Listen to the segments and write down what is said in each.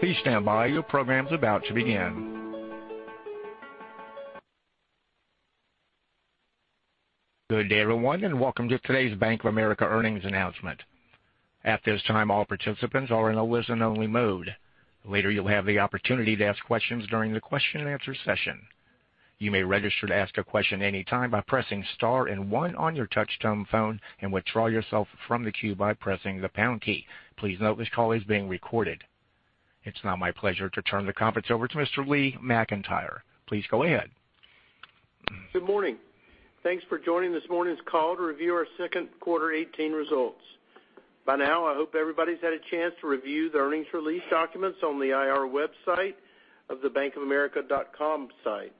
Please stand by. Your program's about to begin. Good day, everyone, and welcome to today's Bank of America earnings announcement. At this time, all participants are in a listen-only mode. Later, you'll have the opportunity to ask questions during the question-and-answer session. You may register to ask a question anytime by pressing star and one on your touch-tone phone and withdraw yourself from the queue by pressing the pound key. Please note this call is being recorded. It's now my pleasure to turn the conference over to Mr. Lee McEntire. Please go ahead. Good morning. Thanks for joining this morning's call to review our second quarter 2018 results. By now, I hope everybody's had a chance to review the earnings release documents on the IR website of the bankofamerica.com site.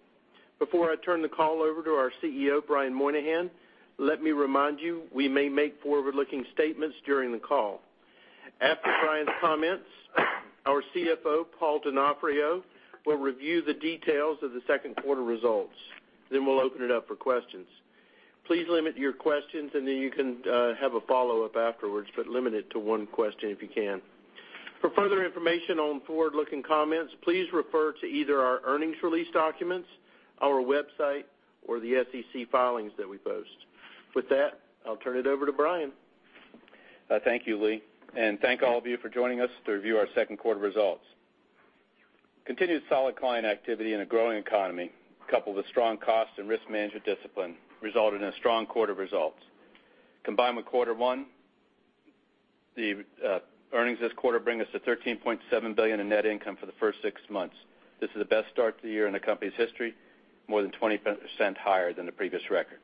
Before I turn the call over to our CEO, Brian Moynihan, let me remind you, we may make forward-looking statements during the call. After Brian's comments, our CFO, Paul Donofrio, will review the details of the second quarter results. We'll open it up for questions. Please limit your questions and then you can have a follow-up afterwards, but limit it to one question if you can. For further information on forward-looking comments, please refer to either our earnings release documents, our website, or the SEC filings that we post. With that, I'll turn it over to Brian. Thank you, Lee. Thank all of you for joining us to review our second quarter results. Continued solid client activity in a growing economy, coupled with strong cost and risk management discipline, resulted in strong quarter results. Combined with quarter one, the earnings this quarter bring us to $13.7 billion in net income for the first six months. This is the best start to the year in the company's history, more than 20% higher than the previous record.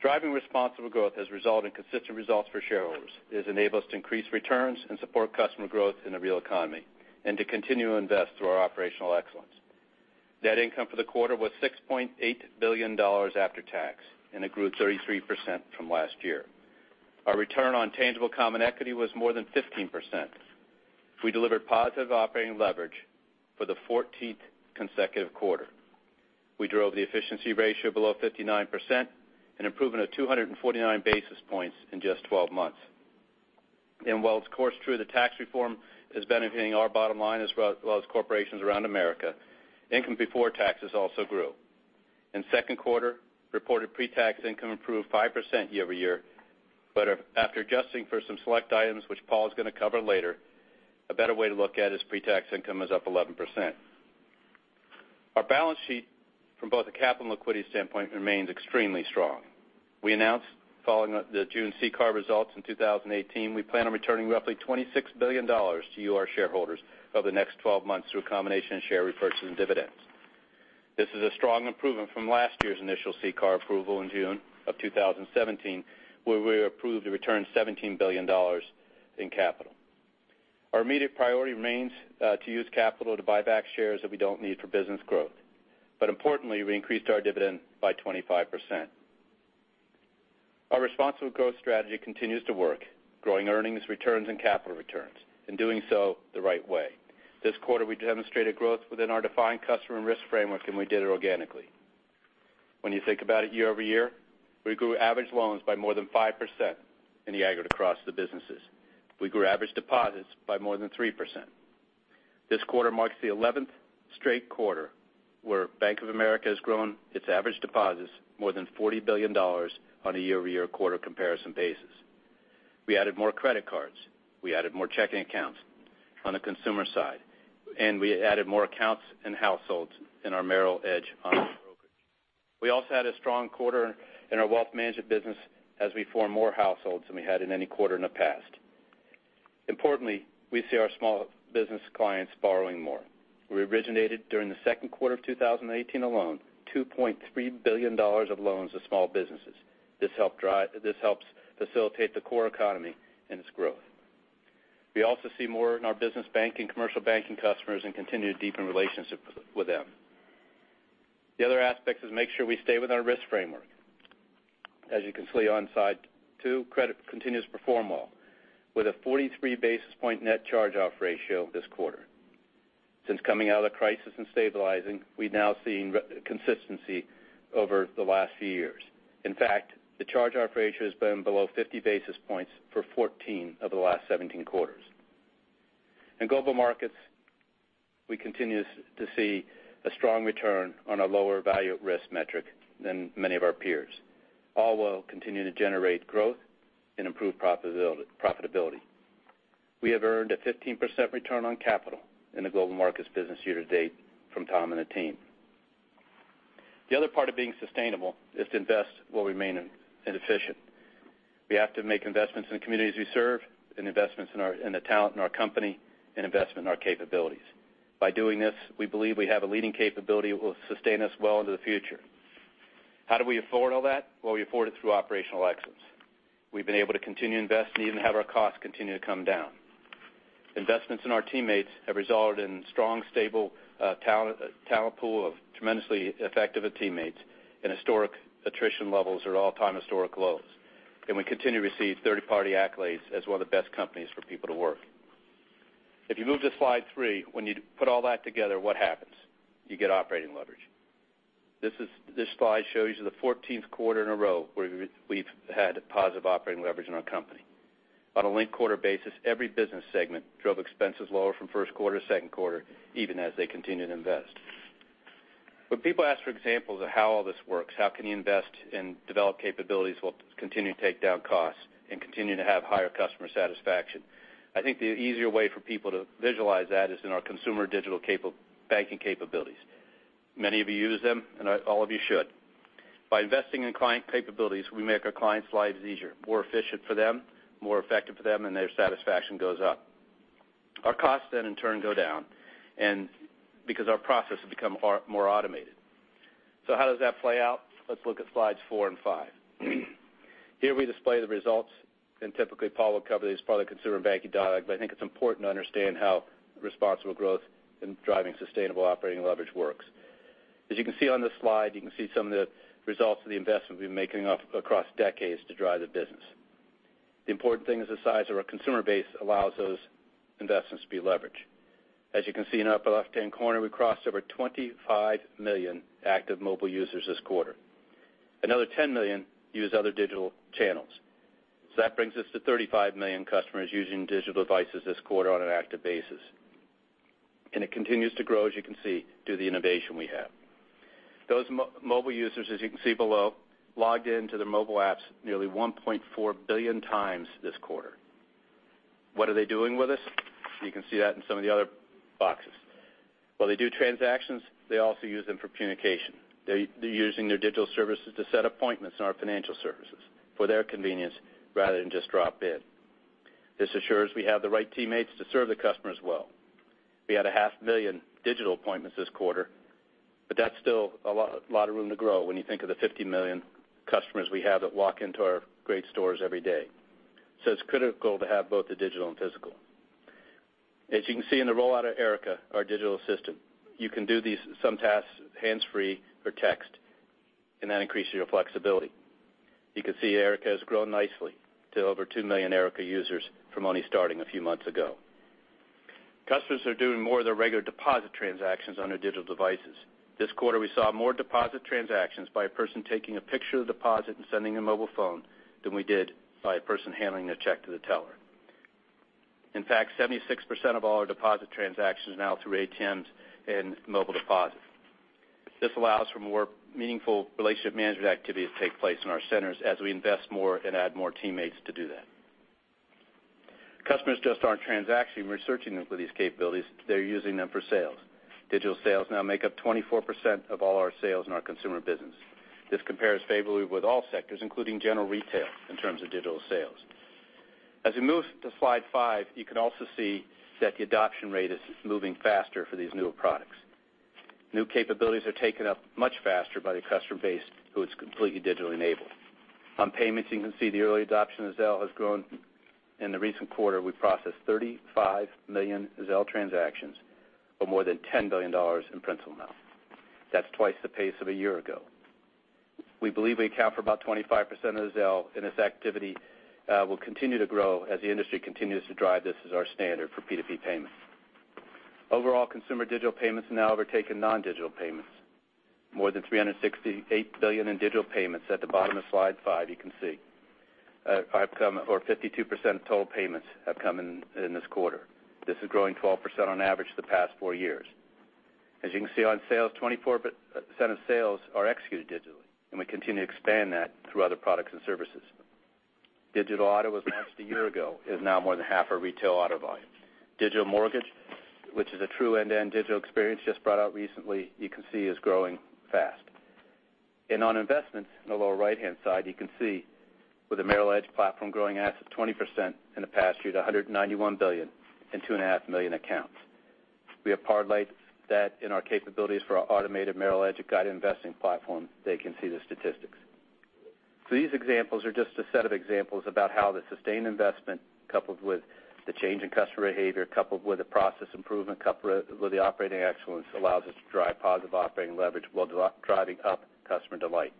Driving responsible growth has resulted in consistent results for shareholders. It has enabled us to increase returns and support customer growth in the real economy and to continue to invest through our operational excellence. Net income for the quarter was $6.8 billion after tax, and it grew 33% from last year. Our return on tangible common equity was more than 15%. We delivered positive operating leverage for the 14th consecutive quarter. We drove the efficiency ratio below 59%, an improvement of 249 basis points in just 12 months. While it's of course true that tax reform is benefiting our bottom line as well as corporations around America, income before taxes also grew. In second quarter, reported pre-tax income improved 5% year-over-year. After adjusting for some select items, which Paul's going to cover later, a better way to look at it is pre-tax income is up 11%. Our balance sheet from both a capital and liquidity standpoint remains extremely strong. We announced following the June CCAR results in 2018, we plan on returning roughly $26 billion to you, our shareholders, over the next 12 months through a combination of share repurchase and dividends. This is a strong improvement from last year's initial CCAR approval in June of 2017, where we were approved to return $17 billion in capital. Our immediate priority remains to use capital to buy back shares that we don't need for business growth. Importantly, we increased our dividend by 25%. Our responsible growth strategy continues to work, growing earnings, returns, and capital returns, and doing so the right way. This quarter, we demonstrated growth within our defined customer and risk framework, and we did it organically. When you think about it year-over-year, we grew average loans by more than 5% in the aggregate across the businesses. We grew average deposits by more than 3%. This quarter marks the 11th straight quarter where Bank of America has grown its average deposits more than $40 billion on a year-over-year quarter comparison basis. We added more credit cards. We added more checking accounts on the consumer side, and we added more accounts and households in our Merrill Edge online brokerage. We also had a strong quarter in our wealth management business as we formed more households than we had in any quarter in the past. Importantly, we see our small business clients borrowing more. We originated during the second quarter of 2018 alone, $2.3 billion of loans to small businesses. This helps facilitate the core economy and its growth. We also see more in our business banking, commercial banking customers, and continue to deepen relationships with them. The other aspect is make sure we stay with our risk framework. As you can see on slide two, credit continues to perform well with a 43-basis point net charge-off ratio this quarter. Since coming out of the crisis and stabilizing, we've now seen consistency over the last few years. In fact, the charge-off ratio has been below 50 basis points for 14 of the last 17 quarters. In Global Markets, we continue to see a strong return on a lower value at risk metric than many of our peers, all while continuing to generate growth and improve profitability. We have earned a 15% return on capital in the Global Markets business year to date from Tom and the team. The other part of being sustainable is to invest where we may know it inefficient. We have to make investments in the communities we serve, and investments in the talent in our company, and investment in our capabilities. By doing this, we believe we have a leading capability that will sustain us well into the future. How do we afford all that? Well, we afford it through operational excellence. We've been able to continue to invest and even have our costs continue to come down. Investments in our teammates have resulted in strong, stable talent pool of tremendously effective teammates and historic attrition levels are at all-time historic lows. We continue to receive third-party accolades as one of the best companies for people to work. If you move to slide three, when you put all that together, what happens? You get operating leverage. This slide shows you the 14th quarter in a row where we've had positive operating leverage in our company. On a linked-quarter basis, every business segment drove expenses lower from first quarter to second quarter, even as they continued to invest. When people ask for examples of how all this works, how can you invest in develop capabilities while continuing to take down costs and continue to have higher customer satisfaction? I think the easier way for people to visualize that is in our consumer digital banking capabilities. Many of you use them, all of you should. By investing in client capabilities, we make our clients' lives easier, more efficient for them, more effective for them, and their satisfaction goes up. Our costs then in turn go down because our process has become more automated. How does that play out? Let's look at slides four and five. Here we display the results, and typically Paul will cover these product Consumer Banking dialogs, but I think it's important to understand how responsible growth and driving sustainable operating leverage works. As you can see on this slide, you can see some of the results of the investment we've been making across decades to drive the business. The important thing is the size of our consumer base allows those investments to be leveraged. As you can see in the upper left-hand corner, we crossed over 25 million active mobile users this quarter. Another 10 million use other digital channels. That brings us to 35 million customers using digital devices this quarter on an active basis. It continues to grow, as you can see, through the innovation we have. Those mobile users, as you can see below, logged into their mobile apps nearly 1.4 billion times this quarter. What are they doing with us? You can see that in some of the other boxes. While they do transactions, they also use them for communication. They're using their digital services to set appointments in our financial services for their convenience rather than just drop in. This assures we have the right teammates to serve the customers well. We had a half million digital appointments this quarter, but that's still a lot of room to grow when you think of the 50 million customers we have that walk into our great stores every day. It's critical to have both the digital and physical. As you can see in the rollout of Erica, our digital assistant, you can do some tasks hands-free or text, and that increases your flexibility. You can see Erica has grown nicely to over two million Erica users from only starting a few months ago. Customers are doing more of their regular deposit transactions on their digital devices. This quarter, we saw more deposit transactions by a person taking a picture of the deposit and sending a mobile phone than we did by a person handing a check to the teller. In fact, 76% of all our deposit transactions are now through ATMs and mobile deposits. This allows for more meaningful relationship management activities to take place in our centers as we invest more and add more teammates to do that. Customers just aren't transacting, researching them for these capabilities, they're using them for sales. Digital sales now make up 24% of all our sales in our consumer business. This compares favorably with all sectors, including general retail, in terms of digital sales. As we move to slide five, you can also see that the adoption rate is moving faster for these newer products. New capabilities are taken up much faster by the customer base who is completely digitally enabled. On payments, you can see the early adoption of Zelle has grown. In the recent quarter, we processed 35 million Zelle transactions of more than $10 billion in principal amount. That's twice the pace of a year ago. We believe we account for about 25% of Zelle, and this activity will continue to grow as the industry continues to drive this as our standard for P2P payments. Overall, consumer digital payments have now overtaken non-digital payments. More than $368 billion in digital payments at the bottom of slide five, you can see. Or 52% of total payments have come in this quarter. This is growing 12% on average the past four years. As you can see on sales, 24% of sales are executed digitally, and we continue to expand that through other products and services. Digital Car Shopping was launched a year ago, is now more than half our retail auto volume. Digital Mortgage Experience, which is a true end-to-end digital experience just brought out recently, you can see is growing fast. On investments, in the lower right-hand side, you can see with the Merrill Edge platform growing assets 20% in the past year to $191 billion and two and a half million accounts. We have parlayed that in our capabilities for our automated Merrill Edge guided investing platform. There you can see the statistics. These examples are just a set of examples about how the sustained investment, coupled with the change in customer behavior, coupled with the process improvement, coupled with the operating excellence, allows us to drive positive operating leverage while driving up customer delight.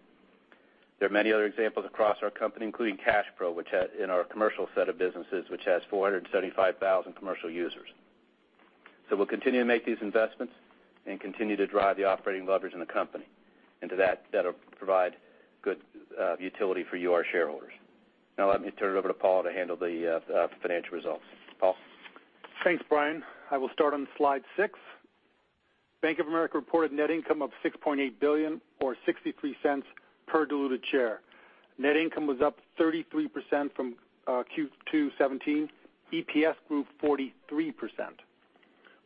There are many other examples across our company, including CashPro, which in our commercial set of businesses, which has 475,000 commercial users. We'll continue to make these investments and continue to drive the operating leverage in the company, and to that'll provide good utility for you, our shareholders. Now let me turn it over to Paul to handle the financial results. Paul? Thanks, Brian. I will start on slide six. Bank of America reported net income of $6.8 billion or $0.63 per diluted share. Net income was up 33% from Q2 2017. EPS grew 43%.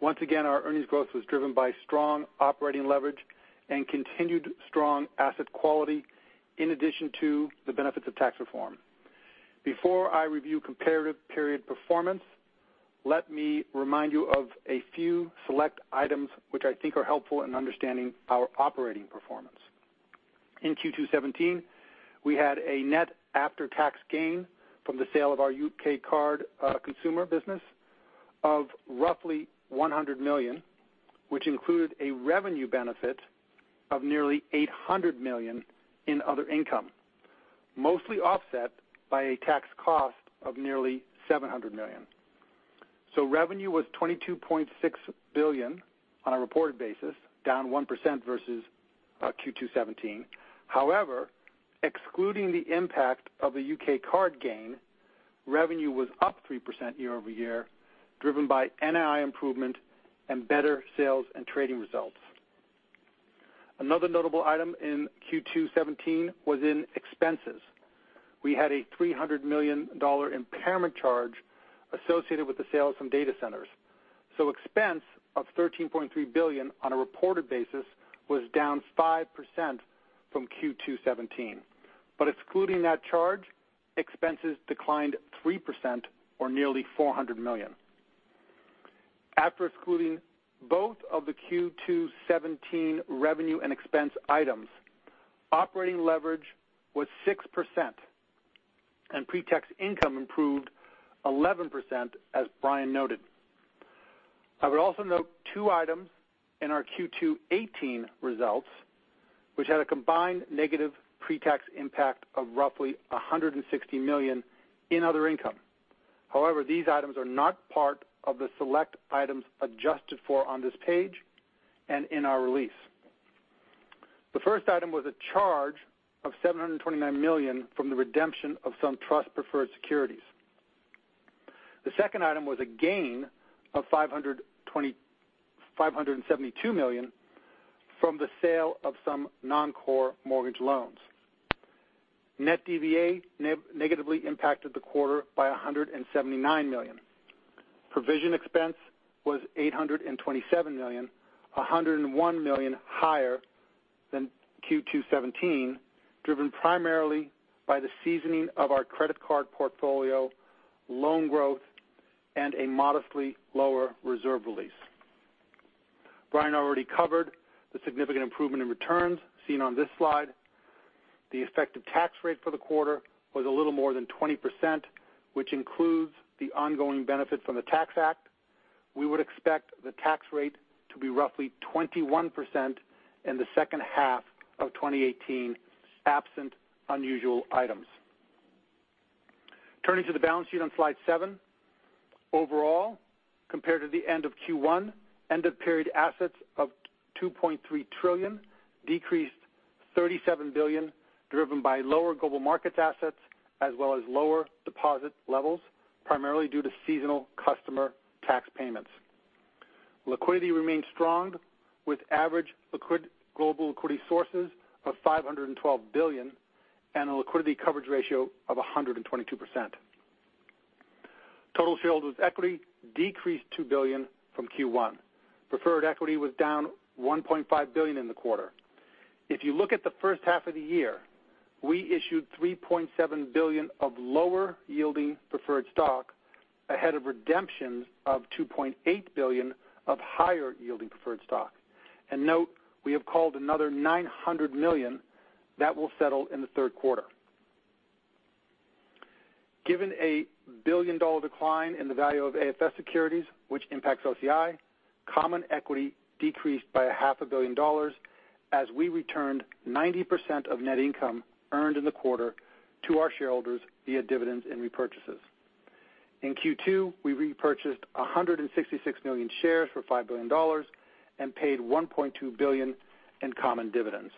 Once again, our earnings growth was driven by strong operating leverage and continued strong asset quality in addition to the benefits of tax reform. Before I review comparative period performance, let me remind you of a few select items which I think are helpful in understanding our operating performance. In Q2 2017, we had a net after-tax gain from the sale of our U.K. card consumer business of roughly $100 million, which included a revenue benefit of nearly $800 million in other income, mostly offset by a tax cost of nearly $700 million. Revenue was $22.6 billion on a reported basis, down 1% versus Q2 2017. Excluding the impact of the U.K. card gain, revenue was up 3% year-over-year, driven by NII improvement and better sales and trading results. Another notable item in Q2 2017 was in expenses. We had a $300 million impairment charge associated with the sale of some data centers. Expense of $13.3 billion on a reported basis was down 5% from Q2 2017. Excluding that charge, expenses declined 3%, or nearly $400 million. After excluding both of the Q2 2017 revenue and expense items, operating leverage was 6%, and pre-tax income improved 11%, as Brian noted. I would also note two items in our Q2 2018 results, which had a combined negative pre-tax impact of roughly $160 million in other income. These items are not part of the select items adjusted for on this page and in our release. The first item was a charge of $729 million from the redemption of some trust preferred securities. The second item was a gain of $572 million from the sale of some non-core mortgage loans. Net DVA negatively impacted the quarter by $179 million. Provision expense was $827 million, $101 million higher than Q2 2017, driven primarily by the seasoning of our credit card portfolio, loan growth, and a modestly lower reserve release. Brian already covered the significant improvement in returns seen on this slide. The effective tax rate for the quarter was a little more than 20%, which includes the ongoing benefit from the Tax Act. We would expect the tax rate to be roughly 21% in the second half of 2018, absent unusual items. Turning to the balance sheet on slide seven. Overall, compared to the end of Q1, end-of-period assets of $2.3 trillion decreased $37 billion, driven by lower Global Markets assets as well as lower deposit levels, primarily due to seasonal customer tax payments. Liquidity remains strong, with average global liquidity sources of $512 billion and a liquidity coverage ratio of 122%. Total shareholders' equity decreased $2 billion from Q1. Preferred equity was down $1.5 billion in the quarter. If you look at the first half of the year, we issued $3.7 billion of lower-yielding preferred stock ahead of redemptions of $2.8 billion of higher-yielding preferred stock. Note, we have called another $900 million that will settle in the third quarter. Given a billion-dollar decline in the value of AFS securities, which impacts OCI, common equity decreased by a half a billion dollars as we returned 90% of net income earned in the quarter to our shareholders via dividends and repurchases. In Q2, we repurchased 166 million shares for $5 billion and paid $1.2 billion in common dividends.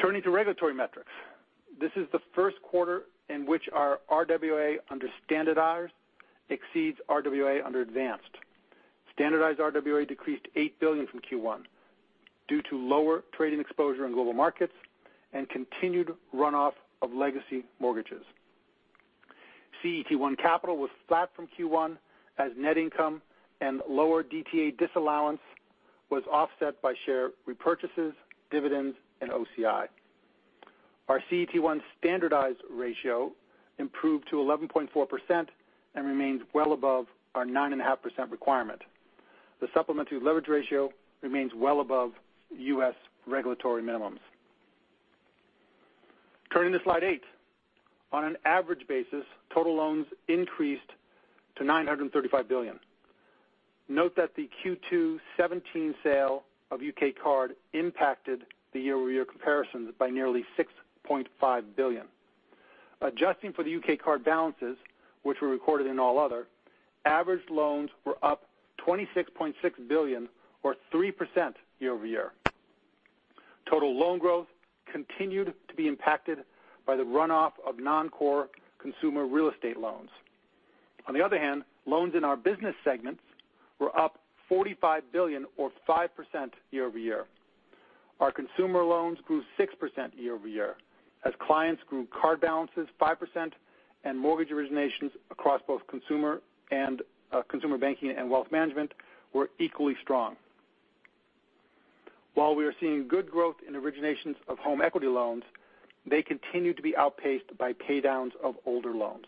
Turning to regulatory metrics. This is the first quarter in which our RWA under standardized exceeds RWA under advanced. Standardized RWA decreased $8 billion from Q1 due to lower trading exposure in Global Markets and continued runoff of legacy mortgages. CET1 capital was flat from Q1 as net income and lower DTA disallowance was offset by share repurchases, dividends, and OCI. Our CET1 standardized ratio improved to 11.4% and remains well above our 9.5% requirement. The supplementary leverage ratio remains well above U.S. regulatory minimums. Turning to slide eight. On an average basis, total loans increased to $935 billion. Note that the Q2 2017 sale of U.K. Card impacted the year-over-year comparisons by nearly $6.5 billion. Adjusting for the U.K. Card balances, which were recorded in All Other, average loans were up $26.6 billion or 3% year-over-year. Total loan growth continued to be impacted by the runoff of non-core consumer real estate loans. Loans in our business segments were up $45 billion or 5% year-over-year. Our consumer loans grew 6% year-over-year as clients grew card balances 5% and mortgage originations across both Consumer Banking and Wealth Management were equally strong. While we are seeing good growth in originations of home equity loans, they continue to be outpaced by paydowns of older loans.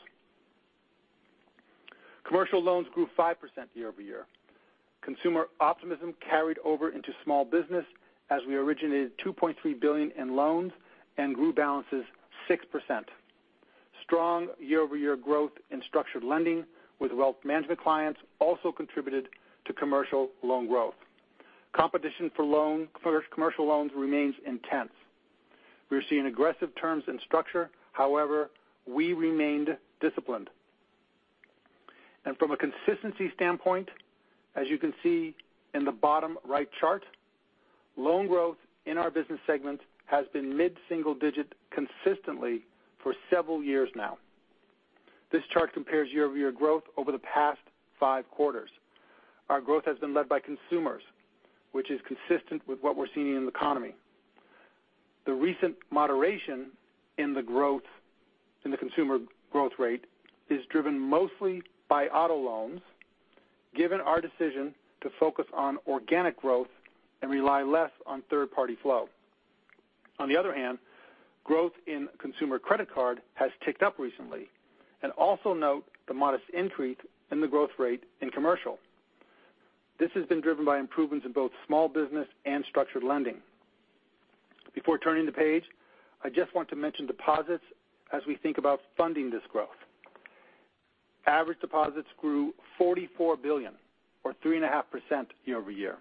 Commercial loans grew 5% year-over-year. Consumer optimism carried over into small business as we originated $2.3 billion in loans and grew balances 6%. Strong year-over-year growth in structured lending with Wealth Management clients also contributed to commercial loan growth. Competition for commercial loans remains intense. We're seeing aggressive terms and structure. We remained disciplined. From a consistency standpoint, as you can see in the bottom right chart, loan growth in our business segment has been mid-single digit consistently for several years now. This chart compares year-over-year growth over the past five quarters. Our growth has been led by consumers, which is consistent with what we're seeing in the economy. The recent moderation in the consumer growth rate is driven mostly by auto loans, given our decision to focus on organic growth and rely less on third-party flow. Growth in consumer credit card has ticked up recently. Also note the modest increase in the growth rate in commercial. This has been driven by improvements in both small business and structured lending. Before turning the page, I just want to mention deposits as we think about funding this growth. Average deposits grew $44 billion or 3.5% year-over-year.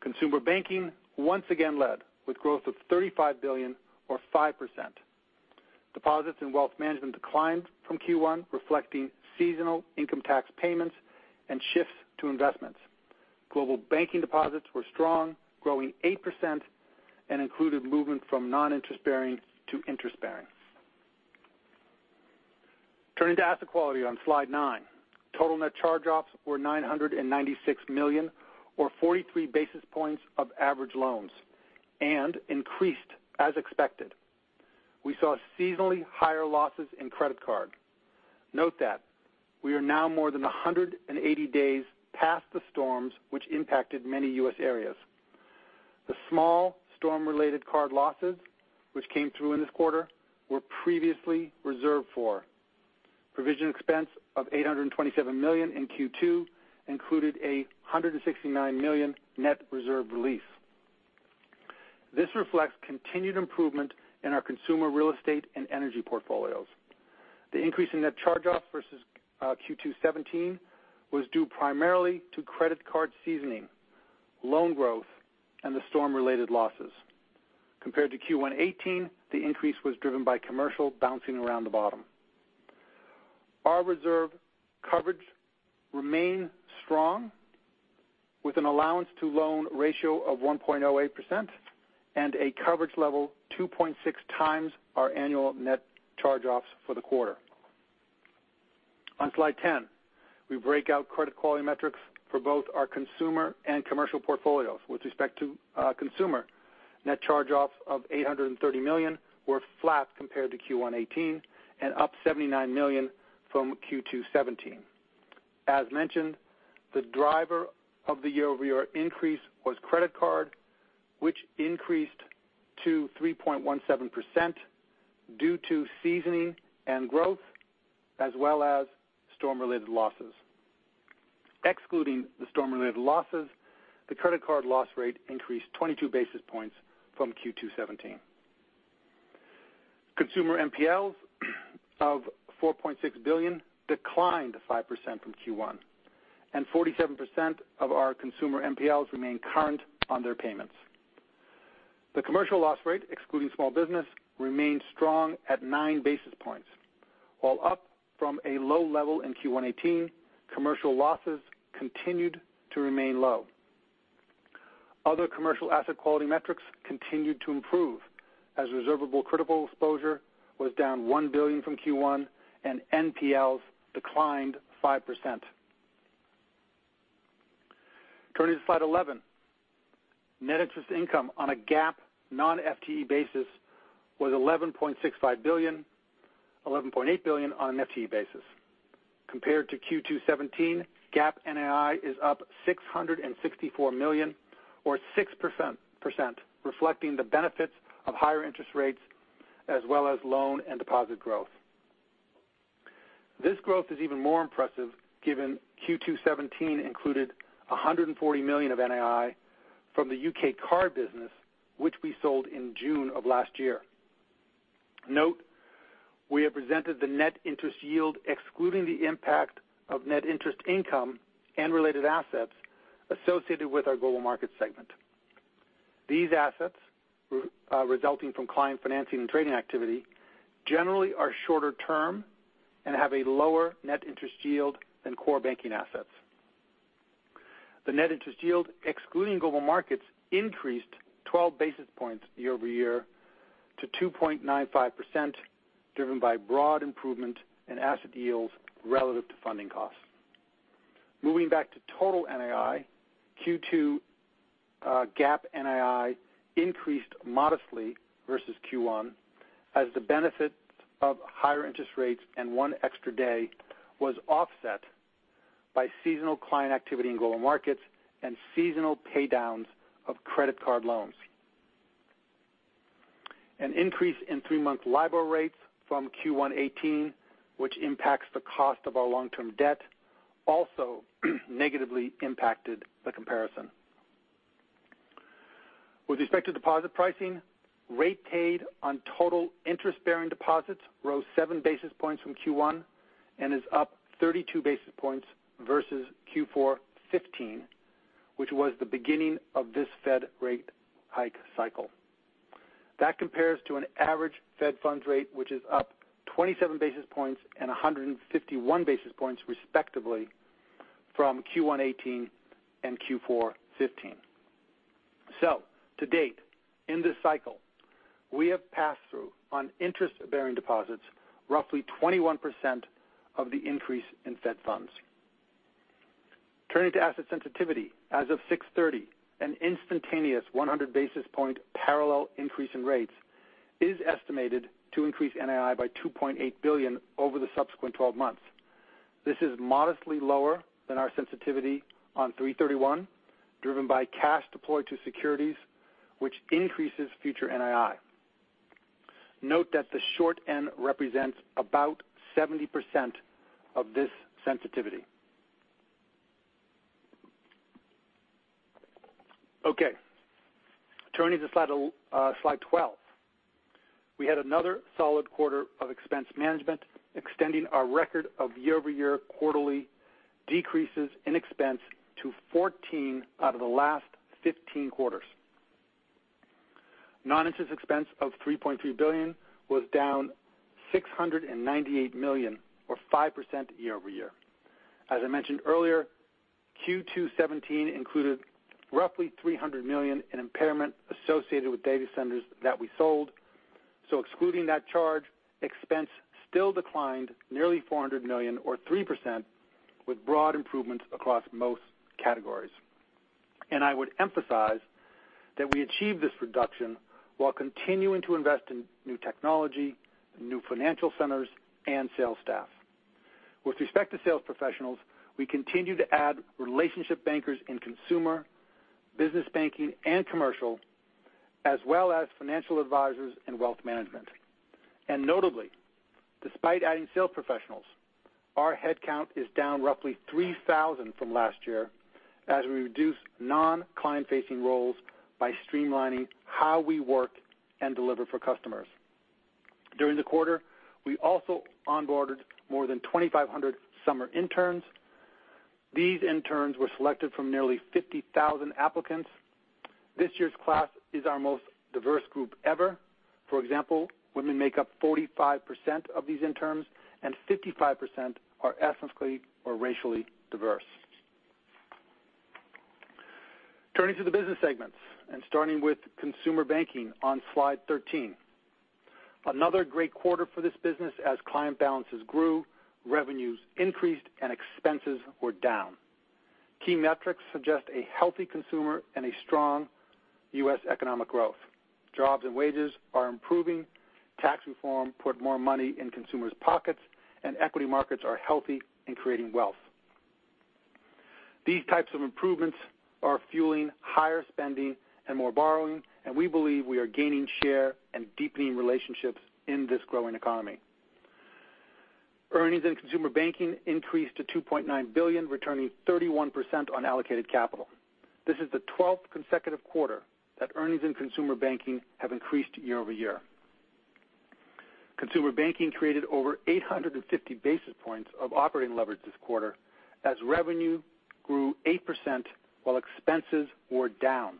Consumer Banking once again led, with growth of $35 billion or 5%. Deposits in Wealth Management declined from Q1, reflecting seasonal income tax payments and shifts to investments. Global Banking deposits were strong, growing 8%, and included movement from non-interest bearing to interest bearing. Turning to asset quality on Slide 9. Total net charge-offs were $996 million or 43 basis points of average loans, and increased as expected. We saw seasonally higher losses in credit card. Note that we are now more than 180 days past the storms which impacted many U.S. areas. The small storm-related card losses, which came through in this quarter, were previously reserved for. Provision expense of $827 million in Q2 included a $169 million net reserve release. This reflects continued improvement in our consumer real estate and energy portfolios. The increase in net charge-offs versus Q2 2017 was due primarily to credit card seasoning, loan growth, and the storm-related losses. Compared to Q1 2018, the increase was driven by commercial bouncing around the bottom. Our reserve coverage remained strong with an allowance to loan ratio of 1.08% and a coverage level 2.6 times our annual net charge-offs for the quarter. On Slide 10, we break out credit quality metrics for both our consumer and commercial portfolios. With respect to consumer, net charge-offs of $830 million were flat compared to Q1 2018 and up $79 million from Q2 2017. As mentioned, the driver of the year-over-year increase was credit card, which increased to 3.17% due to seasoning and growth, as well as storm-related losses. Excluding the storm-related losses, the credit card loss rate increased 22 basis points from Q2 2017. Consumer NPLs of $4.6 billion declined 5% from Q1, and 47% of our consumer NPLs remain current on their payments. The commercial loss rate, excluding small business, remained strong at nine basis points. While up from a low level in Q1 2018, commercial losses continued to remain low. Other commercial asset quality metrics continued to improve as reservable critical exposure was down $1 billion from Q1 and NPLs declined 5%. Turning to Slide 11. Net interest income on a GAAP non-FTE basis was $11.65 billion, $11.8 billion on an FTE basis. Compared to Q2 2017, GAAP NII is up $664 million or 6%, reflecting the benefits of higher interest rates as well as loan and deposit growth. This growth is even more impressive given Q2 2017 included $140 million of NII from the U.K. card business, which we sold in June of last year. Note, we have presented the net interest yield excluding the impact of net interest income and related assets associated with our Global Markets segment. These assets, resulting from client financing and trading activity, generally are shorter term and have a lower net interest yield than core banking assets. The net interest yield, excluding Global Markets, increased 12 basis points year-over-year to 2.95%, driven by broad improvement in asset yields relative to funding costs. Moving back to total NII, Q2 GAAP NII increased modestly versus Q1 as the benefit of higher interest rates and one extra day was offset by seasonal client activity in Global Markets and seasonal paydowns of credit card loans. An increase in three-month LIBOR rates from Q1 2018, which impacts the cost of our long-term debt, also negatively impacted the comparison. With respect to deposit pricing, rate paid on total interest-bearing deposits rose seven basis points from Q1 and is up 32 basis points versus Q4 2015, which was the beginning of this Fed rate hike cycle. That compares to an average Fed funds rate, which is up 27 basis points and 151 basis points respectively from Q1 2018 and Q4 2015. To date, in this cycle, we have passed through on interest-bearing deposits, roughly 21% of the increase in Fed funds. Turning to asset sensitivity. As of 6/30, an instantaneous 100 basis point parallel increase in rates is estimated to increase NII by $2.8 billion over the subsequent 12 months. This is modestly lower than our sensitivity on 3/31, driven by cash deployed to securities, which increases future NII. Note that the short end represents about 70% of this sensitivity. Okay. Turning to Slide 12. We had another solid quarter of expense management, extending our record of year-over-year quarterly decreases in expense to 14 out of the last 15 quarters. Non-interest expense of $13.3 billion was down $698 million or 5% year-over-year. As I mentioned earlier, Q2 2017 included roughly $300 million in impairment associated with data centers that we sold. Excluding that charge, expense still declined nearly $400 million or 3% with broad improvements across most categories. I would emphasize that we achieved this reduction while continuing to invest in new technology, new financial centers, and sales staff. With respect to sales professionals, we continue to add relationship bankers in Consumer Banking, business banking, and commercial, as well as financial advisors in wealth management. Notably, despite adding sales professionals, our headcount is down roughly 3,000 from last year as we reduce non-client facing roles by streamlining how we work and deliver for customers. During the quarter, we also onboarded more than 2,500 summer interns. These interns were selected from nearly 50,000 applicants. This year's class is our most diverse group ever. For example, women make up 45% of these interns, and 55% are ethnically or racially diverse. Turning to the business segments and starting with Consumer Banking on slide 13. Another great quarter for this business as client balances grew, revenues increased, and expenses were down. Key metrics suggest a healthy consumer and a strong U.S. economic growth. Jobs and wages are improving. Tax reform put more money in consumers' pockets, and equity markets are healthy and creating wealth. These types of improvements are fueling higher spending and more borrowing, and we believe we are gaining share and deepening relationships in this growing economy. Earnings in Consumer Banking increased to $2.9 billion, returning 31% on allocated capital. This is the 12th consecutive quarter that earnings in Consumer Banking have increased year-over-year. Consumer Banking created over 850 basis points of operating leverage this quarter as revenue grew 8% while expenses were down.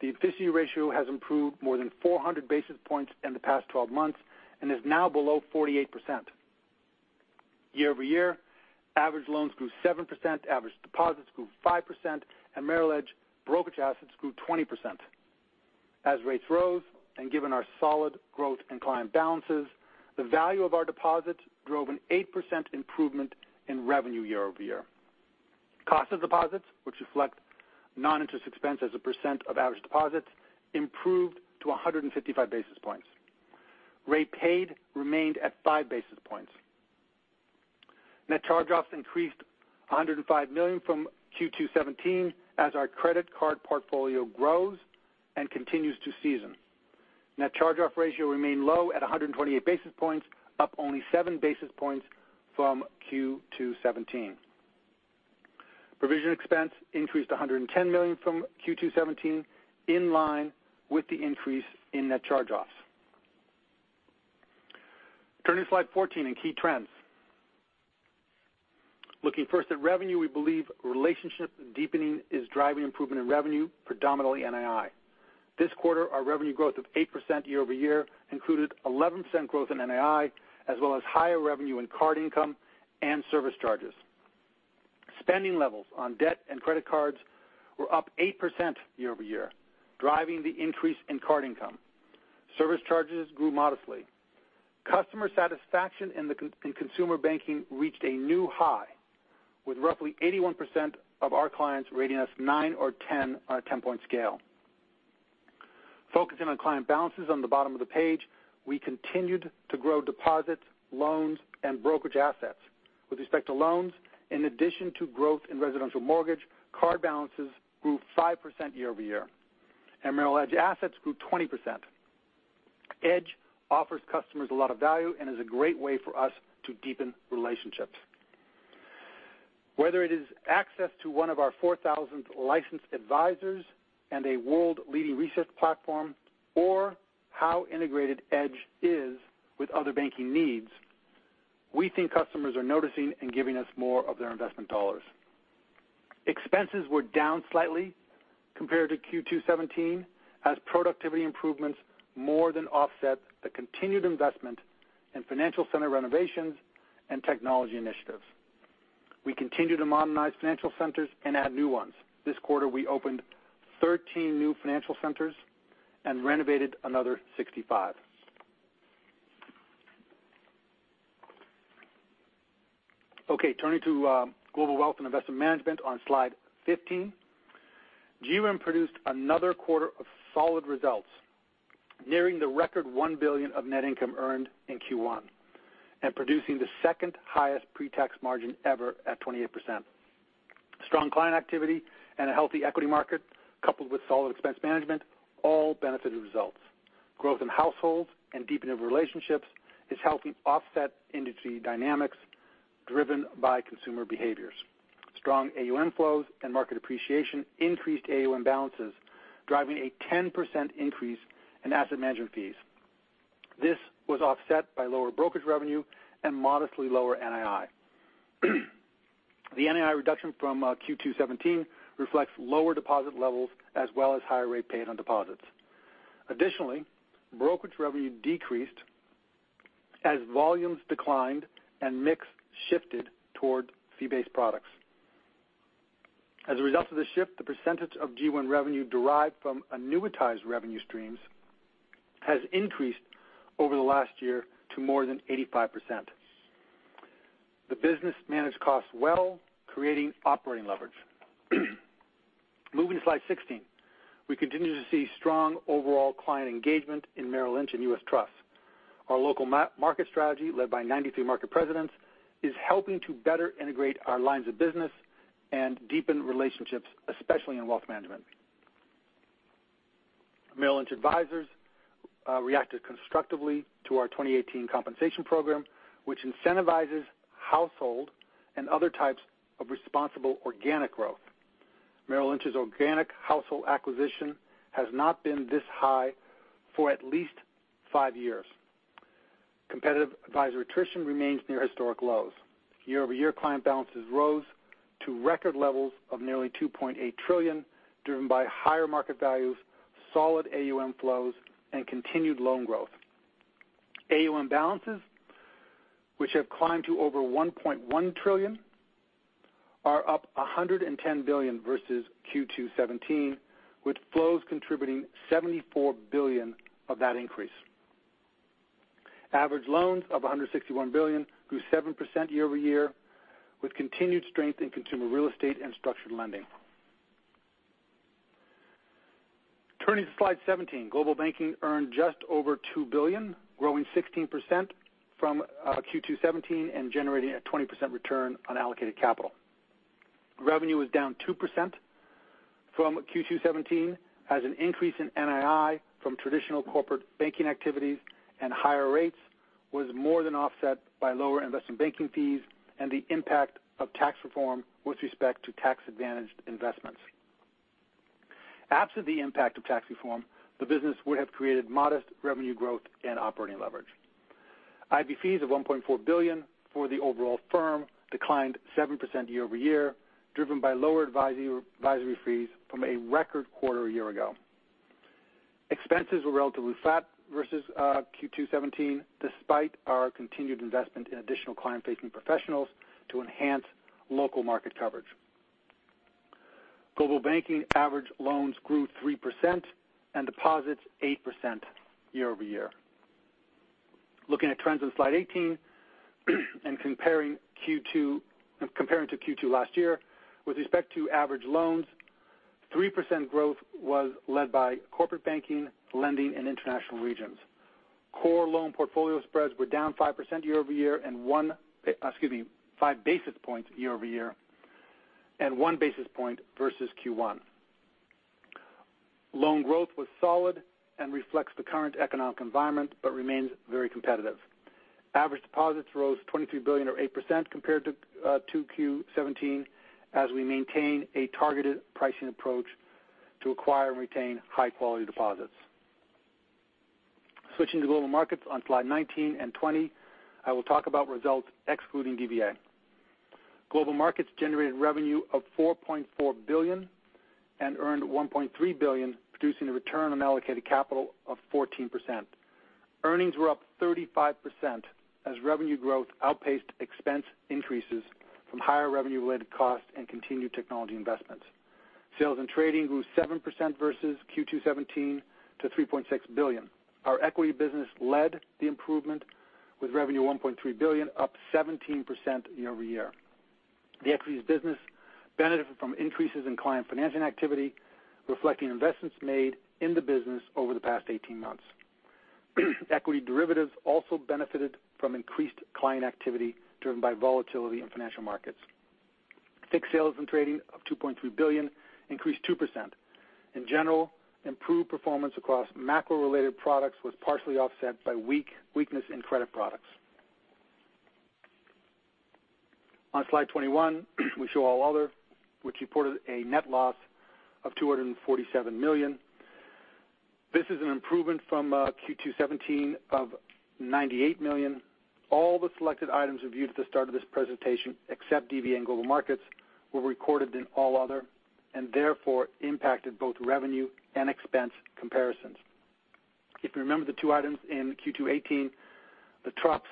The efficiency ratio has improved more than 400 basis points in the past 12 months and is now below 48%. Year-over-year, average loans grew 7%, average deposits grew 5%, and Merrill Edge brokerage assets grew 20%. As rates rose, given our solid growth in client balances, the value of our deposits drove an 8% improvement in revenue year-over-year. Cost of deposits, which reflect non-interest expense as a % of average deposits, improved to 155 basis points. Rate paid remained at five basis points. Net charge-offs increased $105 million from Q2 2017 as our credit card portfolio grows and continues to season. Net charge-off ratio remained low at 128 basis points, up only seven basis points from Q2 2017. Provision expense increased $110 million from Q2 2017, in line with the increase in net charge-offs. Turning to slide 14 in key trends. Looking first at revenue, we believe relationship deepening is driving improvement in revenue, predominantly NII. This quarter, our revenue growth of 8% year-over-year included 11% growth in NII, as well as higher revenue in card income and service charges. Spending levels on debt and credit cards were up 8% year-over-year, driving the increase in card income. Service charges grew modestly. Customer satisfaction in Consumer Banking reached a new high with roughly 81% of our clients rating us 9 or 10 on a 10-point scale. Focusing on client balances on the bottom of the page, we continued to grow deposits, loans, and brokerage assets. With respect to loans, in addition to growth in residential mortgage, card balances grew 5% year-over-year, and Merrill Edge assets grew 20%. Edge offers customers a lot of value and is a great way for us to deepen relationships. Whether it is access to one of our 4,000 licensed advisors and a world-leading research platform, or how integrated Edge is with other banking needs. We think customers are noticing and giving us more of their investment dollars. Expenses were down slightly compared to Q2 2017, as productivity improvements more than offset the continued investment in financial center renovations and technology initiatives. We continue to modernize financial centers and add new ones. This quarter, we opened 13 new financial centers and renovated another 65. Turning to Global Wealth and Investment Management on slide 15. GWIM produced another quarter of solid results, nearing the record $1 billion of net income earned in Q1, and producing the second-highest pre-tax margin ever at 28%. Strong client activity and a healthy equity market, coupled with solid expense management, all benefited results. Growth in households and deepening of relationships is helping offset industry dynamics driven by consumer behaviors. Strong AUM flows and market appreciation increased AUM balances, driving a 10% increase in asset management fees. This was offset by lower brokerage revenue and modestly lower NII. The NII reduction from Q2 2017 reflects lower deposit levels as well as higher rate paid on deposits. Additionally, brokerage revenue decreased as volumes declined and mix shifted toward fee-based products. As a result of the shift, the percentage of GWIM revenue derived from annuitized revenue streams has increased over the last year to more than 85%. The business managed costs well, creating operating leverage. Moving to slide 16. We continue to see strong overall client engagement in Merrill Lynch and U.S. Trust. Our local market strategy, led by 93 market presidents, is helping to better integrate our lines of business and deepen relationships, especially in wealth management. Merrill Lynch advisors reacted constructively to our 2018 compensation program, which incentivizes household and other types of responsible organic growth. Merrill Lynch's organic household acquisition has not been this high for at least five years. Competitive advisor attrition remains near historic lows. Year-over-year client balances rose to record levels of nearly $2.8 trillion, driven by higher market values, solid AUM flows, and continued loan growth. AUM balances, which have climbed to over $1.1 trillion, are up $110 billion versus Q2 2017, with flows contributing $74 billion of that increase. Average loans of $161 billion grew 7% year-over-year, with continued strength in consumer real estate and structured lending. Turning to slide 17. Global Banking earned just over $2 billion, growing 16% from Q2 2017 and generating a 20% return on allocated capital. Revenue was down 2% from Q2 2017, as an increase in NII from traditional corporate banking activities and higher rates was more than offset by lower investment banking fees and the impact of tax reform with respect to tax-advantaged investments. Absent the impact of tax reform, the business would have created modest revenue growth and operating leverage. IB fees of $1.4 billion for the overall firm declined 7% year-over-year, driven by lower advisory fees from a record quarter a year ago. Expenses were relatively flat versus Q2 2017, despite our continued investment in additional client-facing professionals to enhance local market coverage. Global Banking average loans grew 3% and deposits 8% year-over-year. Looking at trends on slide 18 and comparing to Q2 last year, with respect to average loans, 3% growth was led by corporate banking, lending, and international regions. Core loan portfolio spreads were down five basis points year-over-year and one basis point versus Q1. Loan growth was solid and reflects the current economic environment but remains very competitive. Average deposits rose $23 billion or 8% compared to Q2 2017, as we maintain a targeted pricing approach to acquire and retain high-quality deposits. Switching to Global Markets on slide 19 and 20, I will talk about results excluding DVA. Global Markets generated revenue of $4.4 billion and earned $1.3 billion, producing a return on allocated capital of 14%. Earnings were up 35% as revenue growth outpaced expense increases from higher revenue-related costs and continued technology investments. Sales and trading grew 7% versus Q2 2017 to $3.6 billion. Our equity business led the improvement with revenue $1.3 billion, up 17% year-over-year. The equities business benefited from increases in client financing activity, reflecting investments made in the business over the past 18 months. Equity derivatives also benefited from increased client activity driven by volatility in financial markets. FICC sales and trading of $2.3 billion increased 2%. In general, improved performance across macro-related products was partially offset by weakness in credit products. On slide 21, we show All Other, which reported a net loss of $247 million. This is an improvement from Q2 2017 of $98 million. All the selected items reviewed at the start of this presentation, except DVA and Global Markets, were recorded in All Other and therefore impacted both revenue and expense comparisons. If you remember the two items in Q2 2018, the TRUPS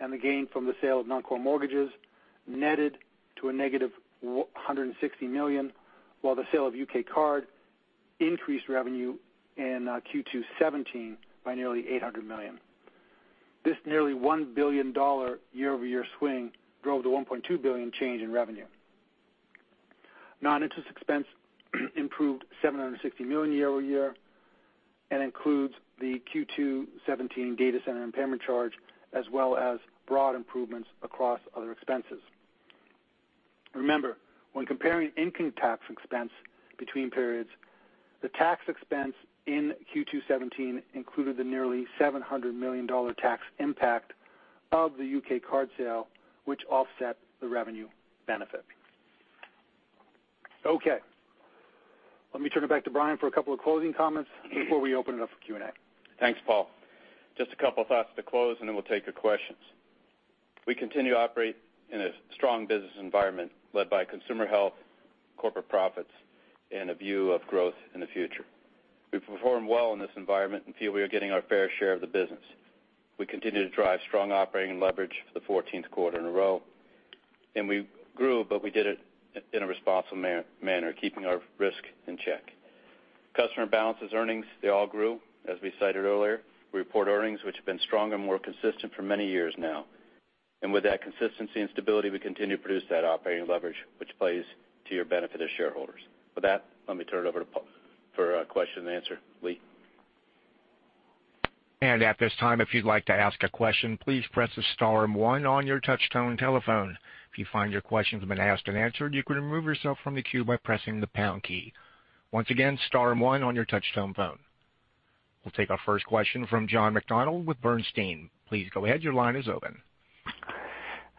and the gain from the sale of non-core mortgages netted to a negative $160 million, while the sale of U.K. card increased revenue in Q2 2017 by nearly $800 million. This nearly $1 billion year-over-year swing drove the $1.2 billion change in revenue. Non-interest expense improved $760 million year-over-year and includes the Q2 2017 data center impairment charge as well as broad improvements across other expenses. Remember, when comparing income tax expense between periods, the tax expense in Q2 2017 included the nearly $700 million tax impact of the U.K. card sale, which offset the revenue benefit. Let me turn it back to Brian for a couple of closing comments before we open it up for Q&A. Thanks, Paul. Just a couple thoughts to close. Then we'll take your questions. We continue to operate in a strong business environment led by consumer health, corporate profits, and a view of growth in the future. We've performed well in this environment and feel we are getting our fair share of the business. We continue to drive strong operating leverage for the 14th quarter in a row. We grew, but we did it in a responsible manner, keeping our risk in check. Customer balances, earnings, they all grew, as we cited earlier. We report earnings which have been stronger and more consistent for many years now. With that consistency and stability, we continue to produce that operating leverage, which plays to your benefit as shareholders. With that, let me turn it over to Paul for question and answer. Lee? At this time, if you'd like to ask a question, please press star one on your touch-tone telephone. If you find your question's been asked and answered, you can remove yourself from the queue by pressing the pound key. Once again, star one on your touch-tone phone. We'll take our first question from John McDonald with Bernstein. Please go ahead. Your line is open.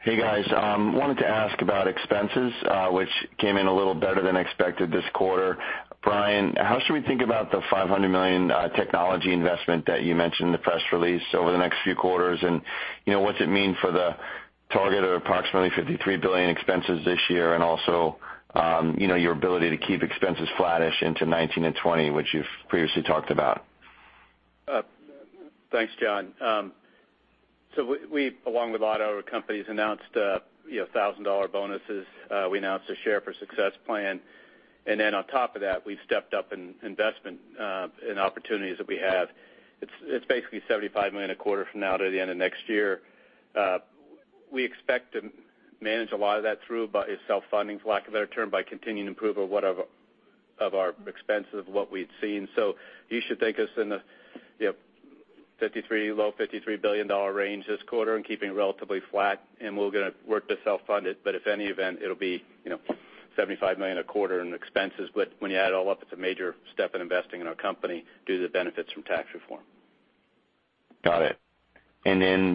Hey, guys. Wanted to ask about expenses, which came in a little better than expected this quarter. Brian, how should we think about the $500 million technology investment that you mentioned in the press release over the next few quarters? What's it mean for the target of approximately $53 billion expenses this year, and also your ability to keep expenses flattish into 2019 and 2020, which you've previously talked about? Thanks, John. We, along with a lot of other companies, announced $1,000 bonuses. We announced a Sharing Success plan. On top of that, we've stepped up in investment in opportunities that we have. It's basically $75 million a quarter from now to the end of next year. We expect to manage a lot of that through self-funding, for lack of a better term, by continuing to improve of our expenses of what we'd seen. You should think of us in the low $53 billion range this quarter and keeping it relatively flat, and we're going to work to self-fund it. In any event, it'll be $75 million a quarter in expenses. When you add it all up, it's a major step in investing in our company due to the benefits from tax reform. Got it.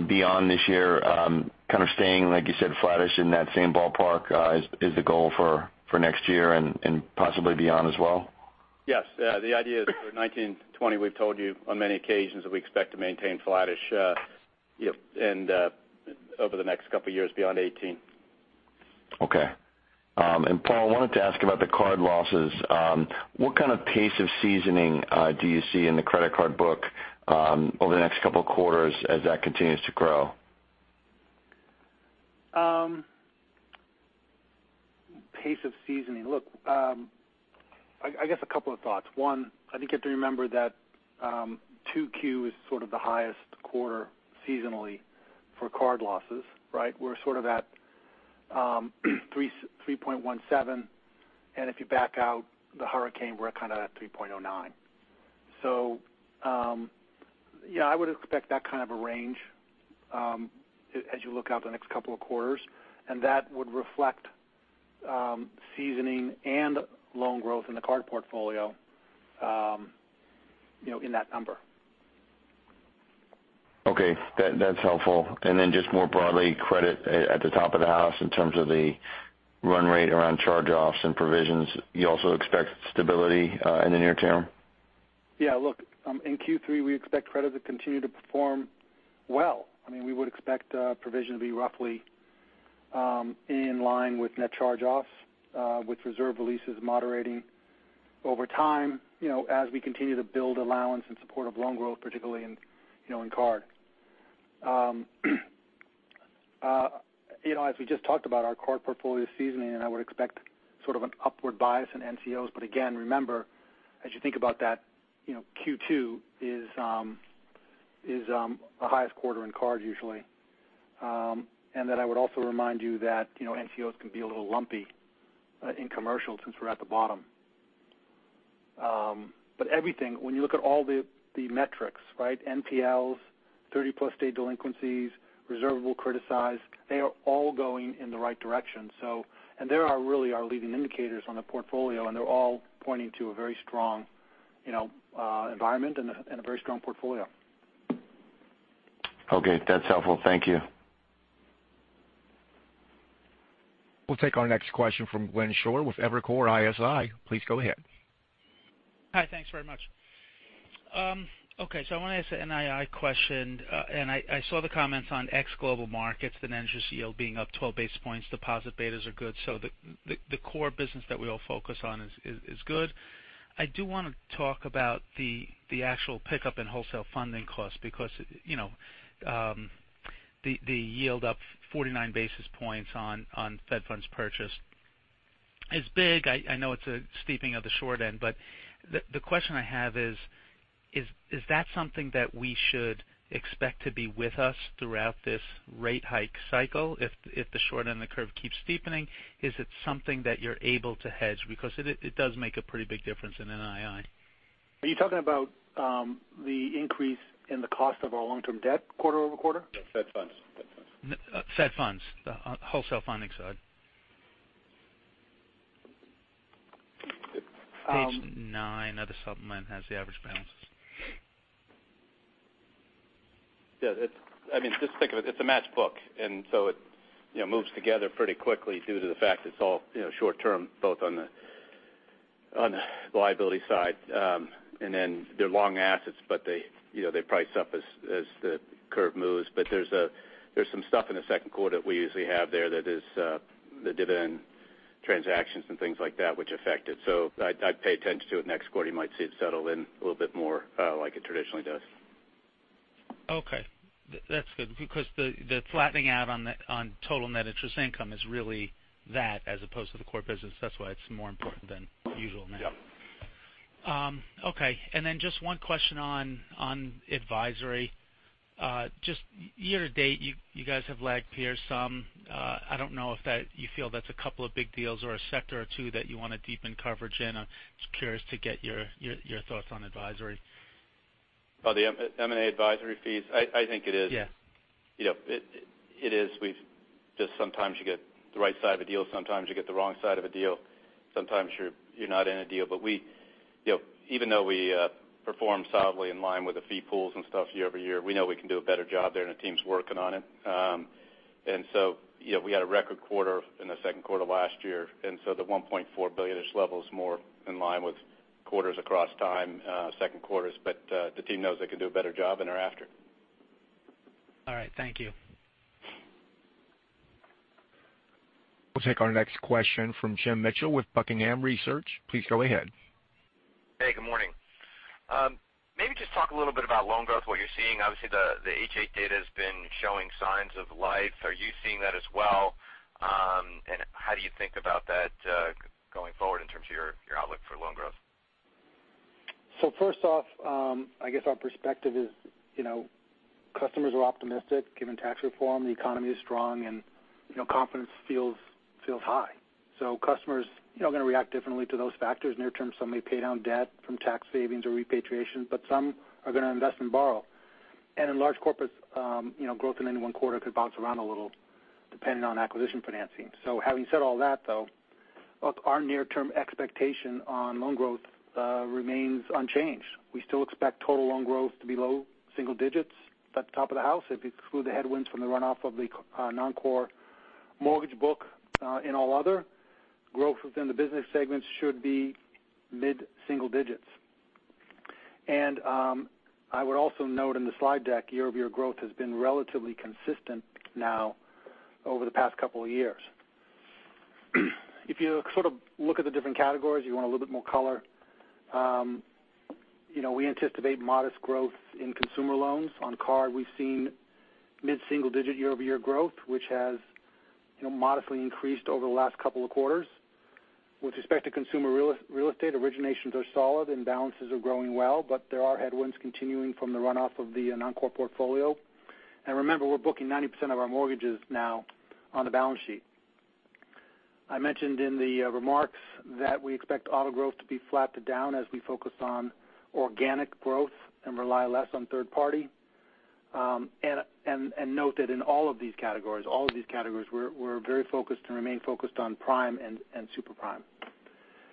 Beyond this year, kind of staying, like you said, flattish in that same ballpark is the goal for next year and possibly beyond as well? Yes. The idea is for 2019 to 2020, we've told you on many occasions that we expect to maintain flattish over the next couple of years beyond 2018. Okay. Paul Donofrio, I wanted to ask about the card losses. What kind of pace of seasoning do you see in the credit card book over the next couple of quarters as that continues to grow? Pace of seasoning. Look, I guess a couple of thoughts. One, I think you have to remember that 2Q is sort of the highest quarter seasonally for card losses, right? We're sort of at 3.17%, and if you back out the hurricane, we're kind of at 3.09%. I would expect that kind of a range as you look out the next couple of quarters, and that would reflect seasoning and loan growth in the card portfolio in that number. Okay. That's helpful. Just more broadly, credit at the top of the house in terms of the run rate around charge-offs and provisions, you also expect stability in the near term? Yeah. Look, in Q3, we expect credit to continue to perform well. I mean, we would expect provision to be roughly in line with net charge-offs, with reserve releases moderating over time as we continue to build allowance in support of loan growth, particularly in card. As we just talked about, our card portfolio seasoning, I would expect sort of an upward bias in NCOs. Again, remember, as you think about that, Q2 is the highest quarter in card usually. I would also remind you that NCOs can be a little lumpy in commercial since we're at the bottom. Everything, when you look at all the metrics, NPLs, 30-plus day delinquencies, reservable criticized, they are all going in the right direction. They are really our leading indicators on the portfolio, and they're all pointing to a very strong environment and a very strong portfolio. Okay, that's helpful. Thank you. We'll take our next question from Glenn Schorr with Evercore ISI. Please go ahead. Hi. Thanks very much. Okay. I want to ask a NII question. I saw the comments on ex Global Markets, the net interest yield being up 12 basis points. Deposit betas are good. The core business that we all focus on is good. I do want to talk about the actual pickup in wholesale funding costs because the yield up 49 basis points on Fed funds purchased is big. I know it's a steeping of the short end, the question I have is: Is that something that we should expect to be with us throughout this rate hike cycle if the short end of the curve keeps steepening? Is it something that you're able to hedge? Because it does make a pretty big difference in NII. Are you talking about the increase in the cost of our long-term debt quarter-over-quarter? Fed funds. Fed funds, the wholesale funding side. Page nine of the supplement has the average balances. Yeah. Just think of it's a matched book, and so it moves together pretty quickly due to the fact it's all short-term, both on the liability side. They're long assets, but they price up as the curve moves. There's some stuff in the second quarter we usually have there that is the dividend transactions and things like that which affect it. I'd pay attention to it next quarter. You might see it settle in a little bit more like it traditionally does. Okay. That's good because the flattening out on total net interest income is really that as opposed to the core business. That's why it's more important than usual now. Yeah. Just one question on advisory. Just year to date, you guys have lagged peers some. I don't know if you feel that's a couple of big deals or a sector or two that you want to deepen coverage in. I'm just curious to get your thoughts on advisory. The M&A advisory fees. I think it is. Yes. Just sometimes you get the right side of a deal, sometimes you get the wrong side of a deal. Sometimes you're not in a deal. Even though we performed solidly in line with the fee pools and stuff year-over-year, we know we can do a better job there, and the team's working on it. We had a record quarter in the second quarter last year, the $1.4 billion-ish level is more in line with quarters across time, second quarters. The team knows they can do a better job and are after it. All right. Thank you. We'll take our next question from Jim Mitchell with Buckingham Research. Please go ahead. Hey, good morning. Maybe just talk a little bit about loan growth, what you're seeing. Obviously, the H8 data has been showing signs of life. Are you seeing that as well? How do you think about that going forward in terms of your outlook for loan growth? First off, I guess our perspective is customers are optimistic given tax reform. The economy is strong, and confidence feels high. Customers are going to react differently to those factors near term. Some may pay down debt from tax savings or repatriation, but some are going to invest and borrow. In large corporate, growth in any one quarter could bounce around a little depending on acquisition financing. Having said all that, though, look, our near-term expectation on loan growth remains unchanged. We still expect total loan growth to be low single digits at the top of the house if you exclude the headwinds from the runoff of the non-core mortgage book in All Other. Growth within the business segments should be mid-single digits. I would also note in the slide deck, year-over-year growth has been relatively consistent now over the past couple of years. If you look at the different categories, you want a little bit more color, we anticipate modest growth in consumer loans. On card, we've seen mid-single-digit year-over-year growth, which has modestly increased over the last couple of quarters. With respect to consumer real estate, originations are solid and balances are growing well, but there are headwinds continuing from the runoff of the non-core portfolio. Remember, we're booking 90% of our mortgages now on the balance sheet. I mentioned in the remarks that we expect auto growth to be flat to down as we focus on organic growth and rely less on third party. Note that in all of these categories, we're very focused and remain focused on prime and super prime.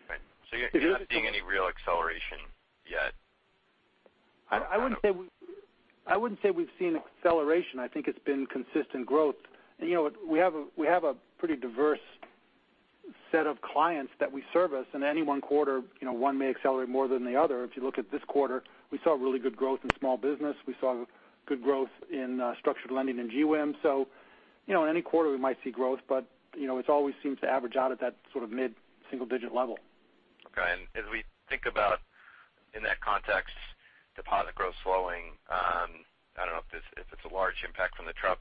Right. You're not seeing any real acceleration yet? I wouldn't say we've seen acceleration. I think it's been consistent growth. We have a pretty diverse set of clients that we service. In any one quarter, one may accelerate more than the other. If you look at this quarter, we saw really good growth in small business. We saw good growth in structured lending and GWIM. In any quarter we might see growth, but it always seems to average out at that mid-single-digit level. Okay. As we think about in that context, deposit growth slowing, I don't know if it's a large impact from the Trump.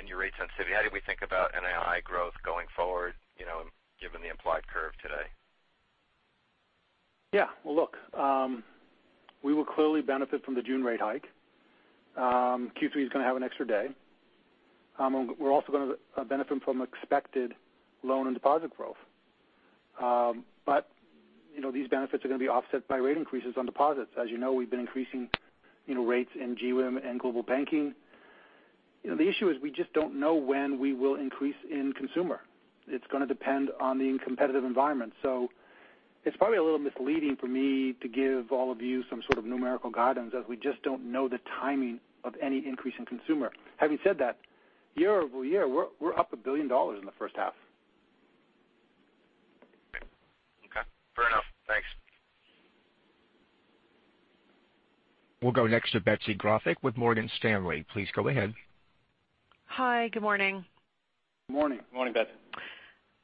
In your rate sensitivity, how do we think about NII growth going forward given the implied curve today? Well, look, we will clearly benefit from the June rate hike. Q3 is going to have an extra day. We're also going to benefit from expected loan and deposit growth. These benefits are going to be offset by rate increases on deposits. As you know, we've been increasing rates in GWIM and Global Banking. The issue is we just don't know when we will increase in consumer. It's going to depend on the competitive environment. It's probably a little misleading for me to give all of you some sort of numerical guidance as we just don't know the timing of any increase in consumer. Having said that, year-over-year, we're up $1 billion in the first half. Okay, fair enough. Thanks. We'll go next to Betsy Graseck with Morgan Stanley. Please go ahead. Hi. Good morning. Good morning. Good morning, Betsy.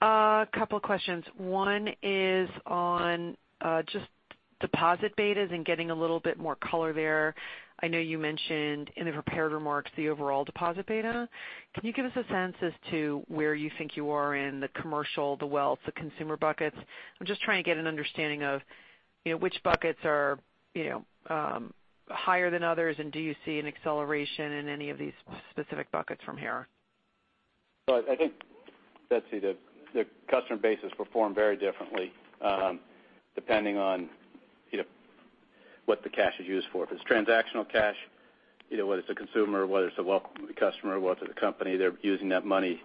A couple of questions. One is on just deposit betas and getting a little bit more color there. I know you mentioned in the prepared remarks the overall deposit beta. Can you give us a sense as to where you think you are in the commercial, the wealth, the consumer buckets? I'm just trying to get an understanding of which buckets are higher than others, and do you see an acceleration in any of these specific buckets from here? I think, Betsy, the customer base has performed very differently, depending on what the cash is used for. If it's transactional cash, whether it's a consumer, whether it's a wealth customer, wealth of the company, they're using that money,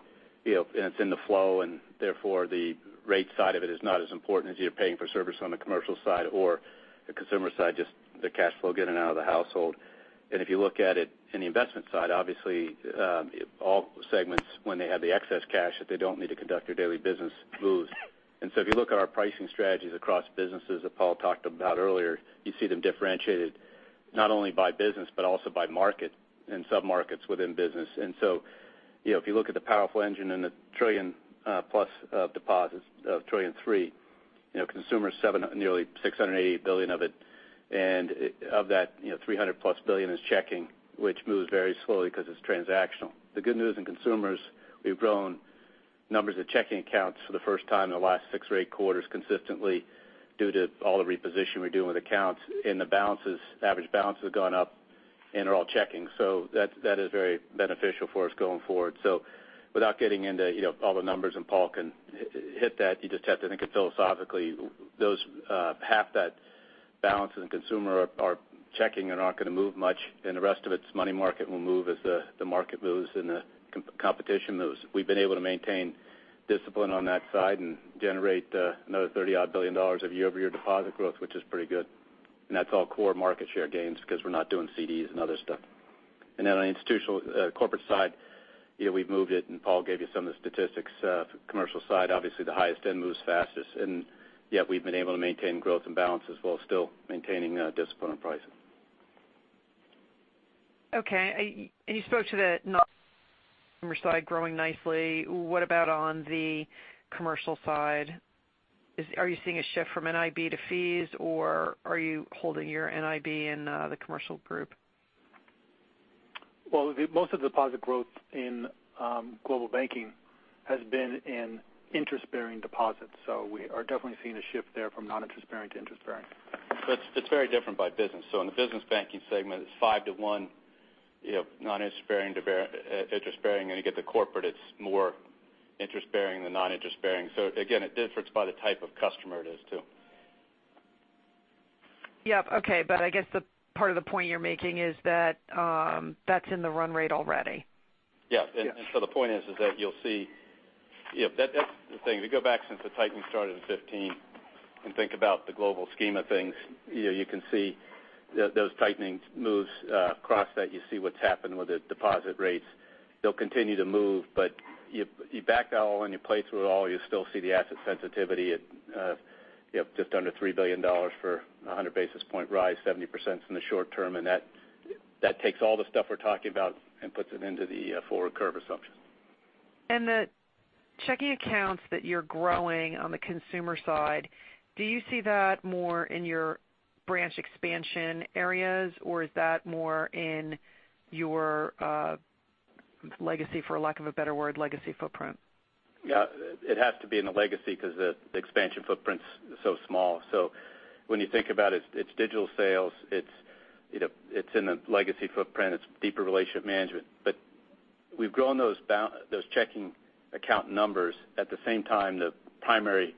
and it's in the flow, and therefore, the rate side of it is not as important as you're paying for service on the commercial side or the consumer side, just the cash flow getting out of the household. If you look at it in the investment side, obviously, all segments when they have the excess cash that they don't need to conduct their daily business moves. If you look at our pricing strategies across businesses that Paul talked about earlier, you see them differentiated not only by business but also by market and sub-markets within business. If you look at the powerful engine and the trillion-plus of deposits, of $1.3 trillion, Consumer is nearly $680 billion of it. Of that, $300-plus billion is checking, which moves very slowly because it's transactional. The good news in Consumer, we've grown numbers of checking accounts for the first time in the last six or eight quarters consistently due to all the reposition we're doing with accounts, and the average balance has gone up, and they're all checking. That is very beneficial for us going forward. Without getting into all the numbers, Paul Donofrio can hit that, you just have to think of philosophically, half that balance in Consumer are checking and aren't going to move much. The rest of it's money market will move as the market moves and the competition moves. We've been able to maintain discipline on that side and generate another $30-odd billion of year-over-year deposit growth, which is pretty good. That's all core market share gains because we're not doing CDs and other stuff. On the corporate side, we've moved it, and Paul Donofrio gave you some of the statistics. Commercial side, obviously the highest end moves fastest, and yet we've been able to maintain growth and balance as well, still maintaining discipline on pricing. Okay. You spoke to the Consumer side growing nicely. What about on the Commercial side? Are you seeing a shift from NIB to fees, or are you holding your NIB in the commercial group? Well, most of the deposit growth in Global Banking has been in interest-bearing deposits. We are definitely seeing a shift there from non-interest-bearing to interest-bearing. It's very different by business. In the business banking segment, it's five to one, non-interest-bearing to interest-bearing, and you get to corporate, it's more interest-bearing than non-interest-bearing. Again, it differs by the type of customer it is, too. Yep. Okay. I guess the part of the point you're making is that's in the run rate already. Yes. Yes. The point is that. That's the thing. If you go back since the tightening started in 2015 and think about the global scheme of things, you can see those tightening moves across that. You see what's happened with the deposit rates. They'll continue to move, but you back that all and you play through it all, you still see the asset sensitivity at just under $3 billion for 100 basis point rise, 70% is in the short term. That takes all the stuff we're talking about and puts it into the forward curve assumption. The checking accounts that you're growing on the consumer side, do you see that more in your branch expansion areas, or is that more in your, for lack of a better word, legacy footprint? Yeah. It has to be in the legacy because the expansion footprint's so small. When you think about it's digital sales. It's in the legacy footprint. It's deeper relationship management. We've grown those checking account numbers at the same time the primary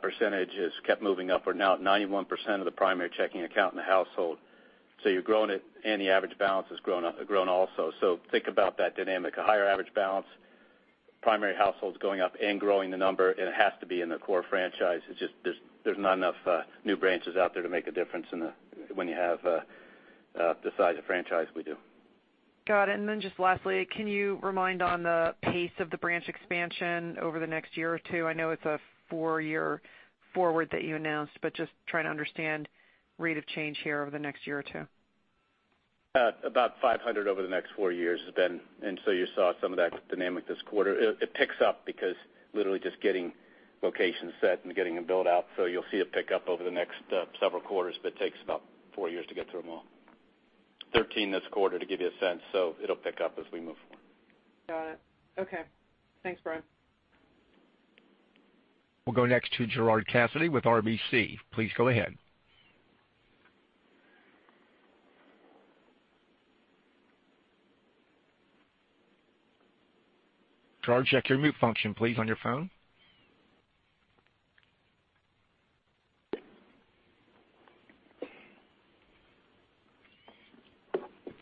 percentage has kept moving upward. Now 91% of the primary checking account in the household. You're growing it, and the average balance has grown also. Think about that dynamic. A higher average balance, primary households going up, and growing the number, and it has to be in the core franchise. There's not enough new branches out there to make a difference when you have the size of franchise we do. Got it. Just lastly, can you remind on the pace of the branch expansion over the next year or two? I know it's a four-year forward that you announced, but just trying to understand rate of change here over the next year or two. About 500 over the next four years has been. You saw some of that dynamic this quarter. It picks up because literally just getting locations set and getting them built out. You'll see it pick up over the next several quarters, but it takes about four years to get through them all. 13 this quarter, to give you a sense. It'll pick up as we move forward. Got it. Okay. Thanks, Brian. We'll go next to Gerard Cassidy with RBC. Please go ahead. Gerard, check your mute function, please, on your phone.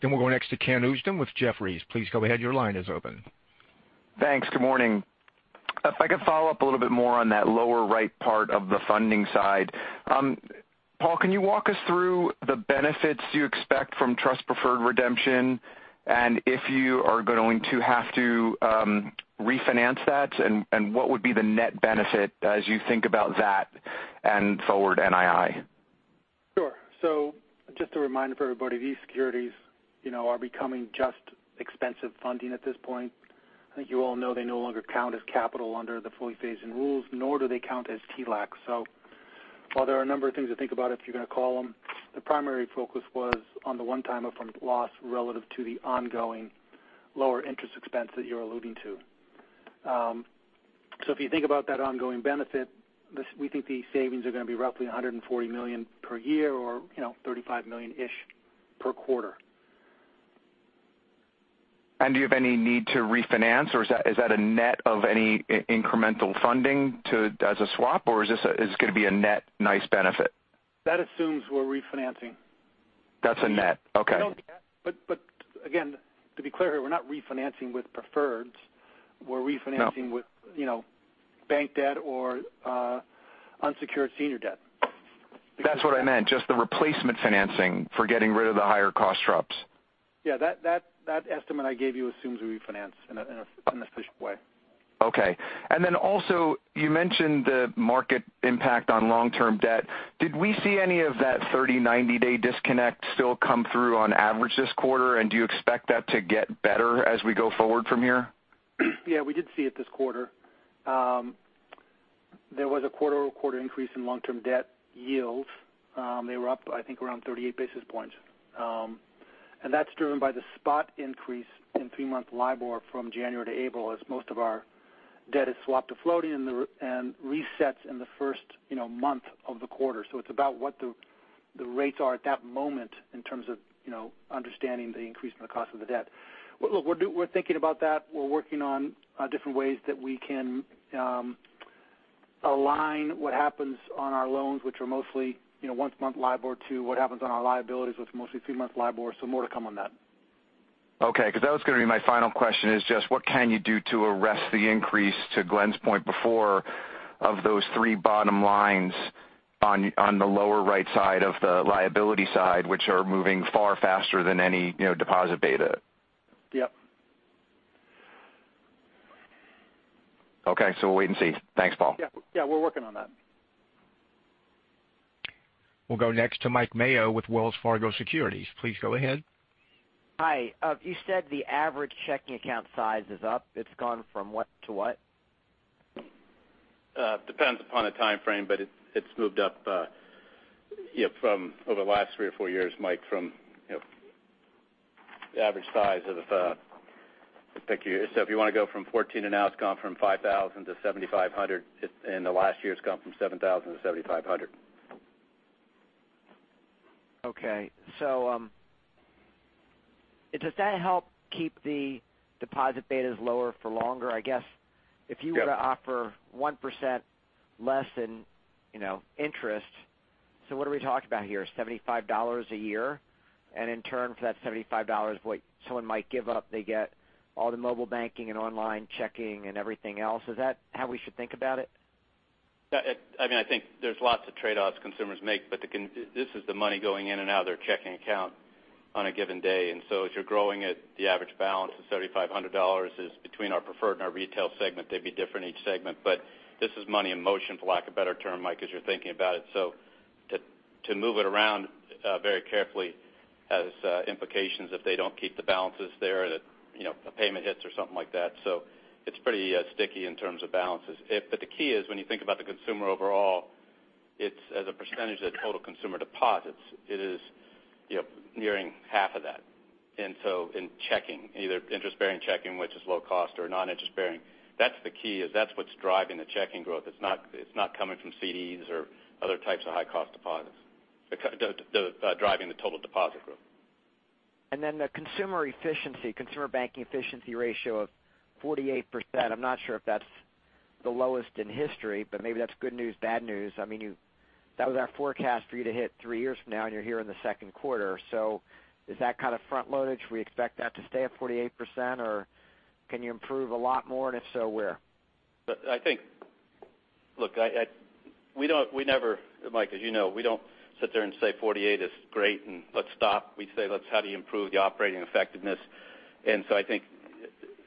We'll go next to Kenneth Usdin with Jefferies. Please go ahead. Your line is open. Thanks. Good morning. If I could follow up a little bit more on that lower right part of the funding side. Paul, can you walk us through the benefits you expect from trust preferred redemption, and if you are going to have to refinance that, and what would be the net benefit as you think about that and forward NII? Sure. Just a reminder for everybody, these securities are becoming just expensive funding at this point. I think you all know they no longer count as capital under the fully phase-in rules, nor do they count as TLAC. While there are a number of things to think about if you're going to call them, the primary focus was on the one-time upfront loss relative to the ongoing lower interest expense that you're alluding to. If you think about that ongoing benefit, we think the savings are going to be roughly $140 million per year or $35 million-ish per quarter. Do you have any need to refinance, or is that a net of any incremental funding as a swap, or is this going to be a net nice benefit? That assumes we're refinancing. That's a net. Okay. Again, to be clear here, we're not refinancing with preferreds. No. We're refinancing with bank debt or unsecured senior debt. That's what I meant, just the replacement financing for getting rid of the higher cost TRUPS. Yeah, that estimate I gave you assumes we refinance in an efficient way. Okay. Also you mentioned the market impact on long-term debt. Did we see any of that 30, 90-day disconnect still come through on average this quarter? Do you expect that to get better as we go forward from here? Yeah, we did see it this quarter. There was a quarter-over-quarter increase in long-term debt yields. They were up, I think, around 38 basis points. That's driven by the spot increase in three-month LIBOR from January to April, as most of our debt is swapped to floating and resets in the first month of the quarter. It's about what the rates are at that moment in terms of understanding the increase in the cost of the debt. Look, we're thinking about that. We're working on different ways that we can align what happens on our loans, which are mostly one-month LIBOR, to what happens on our liabilities with mostly three-month LIBOR. More to come on that. Okay. That was going to be my final question is just what can you do to arrest the increase, to Glenn's point before, of those three bottom lines on the lower right side of the liability side, which are moving far faster than any deposit beta? Yep. Okay. We'll wait and see. Thanks, Paul. Yeah. We're working on that. We'll go next to Mike Mayo with Wells Fargo Securities. Please go ahead. Hi. You said the average checking account size is up. It's gone from what to what? Depends upon the time frame, but it's moved up over the last three or four years, Mike, from the average size of. If you want to go from 14 and now it's gone from $5,000 to $7,500. In the last year, it's gone from $7,000 to $7,500. Okay. Does that help keep the deposit betas lower for longer? I guess if you were to offer 1% less in interest. What are we talking about here, $75 a year? In turn for that $75 someone might give up, they get all the mobile banking and online checking and everything else. Is that how we should think about it? I think there's lots of trade-offs consumers make, but this is the money going in and out of their checking account on a given day. If you're growing it, the average balance of $3,500 is between our preferred and our retail segment. They'd be different each segment. This is money in motion, for lack of a better term, Mike, as you're thinking about it. To move it around very carefully has implications if they don't keep the balances there, that a payment hits or something like that. It's pretty sticky in terms of balances. The key is when you think about the consumer overall, as a percentage of total consumer deposits, it is nearing half of that. In checking, either interest-bearing checking, which is low cost or non-interest bearing. That's the key, is that's what's driving the checking growth. It's not coming from CDs or other types of high-cost deposits, driving the total deposit growth. The Consumer Banking efficiency ratio of 48%. I'm not sure if that's the lowest in history, but maybe that's good news, bad news. That was our forecast for you to hit three years from now, and you're here in the second quarter. Is that kind of front loaded? Should we expect that to stay at 48%, or can you improve a lot more? If so, where? Mike, as you know, we don't sit there and say 48% is great and let's stop. We say, let's how do you improve the operating effectiveness? I think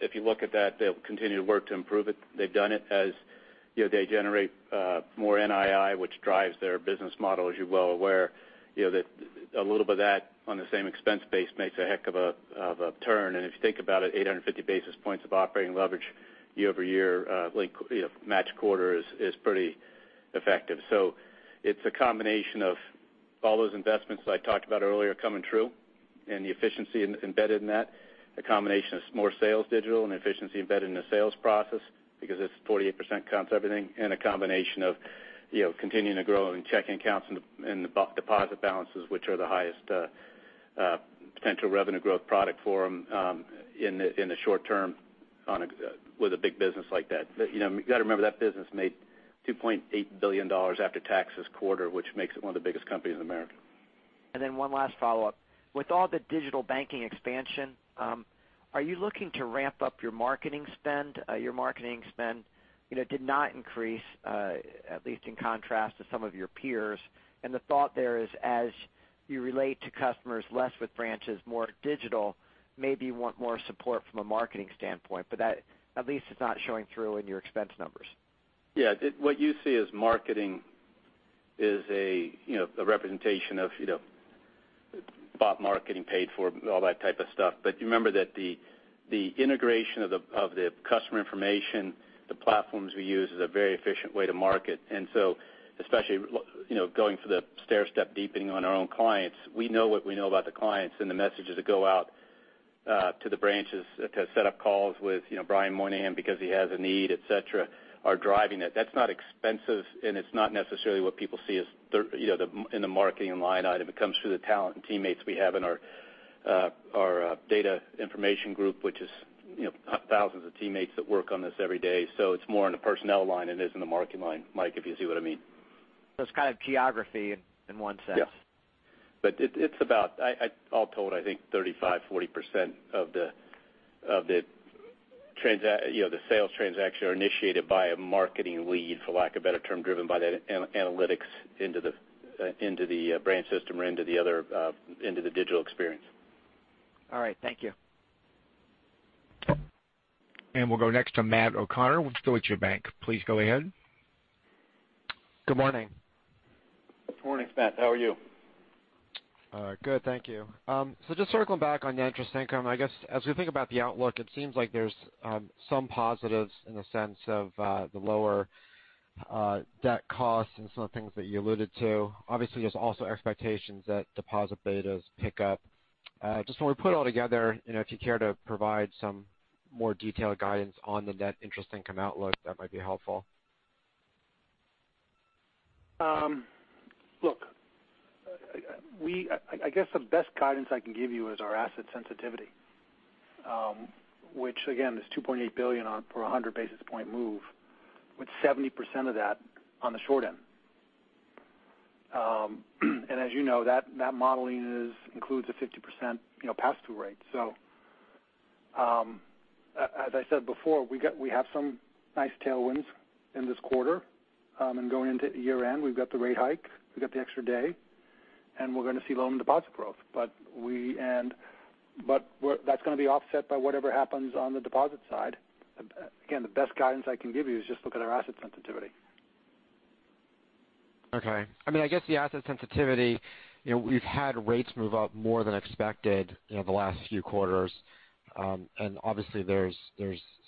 if you look at that, they'll continue to work to improve it. They've done it as they generate more NII, which drives their business model. As you're well aware, that a little bit of that on the same expense base makes a heck of a turn. If you think about it, 850 basis points of operating leverage year-over-year match quarter is pretty effective. It's a combination of all those investments that I talked about earlier coming true and the efficiency embedded in that. A combination of more sales digital and efficiency embedded in the sales process because it's 48% comp to everything and a combination of continuing to grow in checking accounts and the deposit balances, which are the highest potential revenue growth product for them in the short term with a big business like that. You got to remember that business made $2.8 billion after tax this quarter, which makes it one of the biggest companies in America. One last follow-up. With all the digital banking expansion, are you looking to ramp up your marketing spend? Your marketing spend did not increase, at least in contrast to some of your peers. The thought there is as you relate to customers less with branches, more digital, maybe you want more support from a marketing standpoint. That at least is not showing through in your expense numbers. Yeah. What you see as marketing is a representation of bought marketing, paid for, all that type of stuff. Remember that the integration of the customer information, the platforms we use is a very efficient way to market. Especially going for the stairstep deepening on our own clients, we know what we know about the clients, and the messages that go out to the branches to set up calls with Brian Moynihan because he has a need, et cetera, are driving it. That's not expensive, and it's not necessarily what people see in the marketing line item. It comes through the talent and teammates we have in our data information group, which is thousands of teammates that work on this every day. It's more in the personnel line than it is in the marketing line, Mike, if you see what I mean. It's kind of geography in one sense. Yeah. It's about, all told, I think 35%, 40% of the sales transactions are initiated by a marketing lead, for lack of better term, driven by that analytics into the branch system or into the digital experience. All right. Thank you. We'll go next to Matthew O'Connor with Deutsche Bank. Please go ahead. Good morning. Good morning, Matt. How are you? Good, thank you. Just circling back on net interest income. I guess as we think about the outlook, it seems like there's some positives in the sense of the lower debt costs and some of the things that you alluded to. There's also expectations that deposit betas pick up. When we put it all together, if you care to provide some more detailed guidance on the net interest income outlook, that might be helpful. Look, I guess the best guidance I can give you is our asset sensitivity, which again is $2.8 billion per 100-basis-point move, with 70% of that on the short end. As you know, that modeling includes a 50% pass-through rate. As I said before, we have some nice tailwinds in this quarter. Going into year-end, we've got the rate hike, we've got the extra day, and we're going to see loan deposit growth. That's going to be offset by whatever happens on the deposit side. The best guidance I can give you is just look at our asset sensitivity. Okay. I guess the asset sensitivity, we've had rates move up more than expected the last few quarters. There's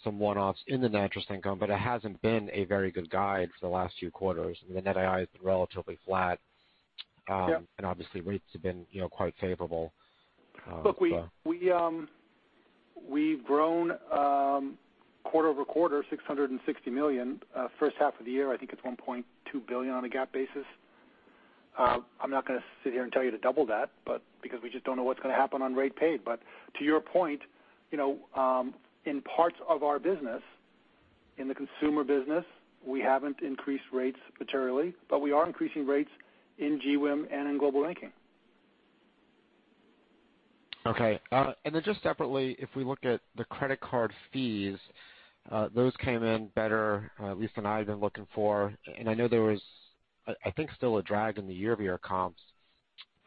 some one-offs in the net interest income, it hasn't been a very good guide for the last few quarters. The net II has been relatively flat. Yeah. Rates have been quite favorable. Look, we've grown quarter-over-quarter, $660 million. First half of the year, I think it's $1.2 billion on a GAAP basis. I'm not going to sit here and tell you to double that because we just don't know what's going to happen on rate paid. To your point, in parts of our business, in the consumer business, we haven't increased rates materially, but we are increasing rates in GWIM and in Global Banking. Okay. Then just separately, if we look at the credit card fees, those came in better, at least than I had been looking for. I know there was, I think, still a drag in the year-over-year comps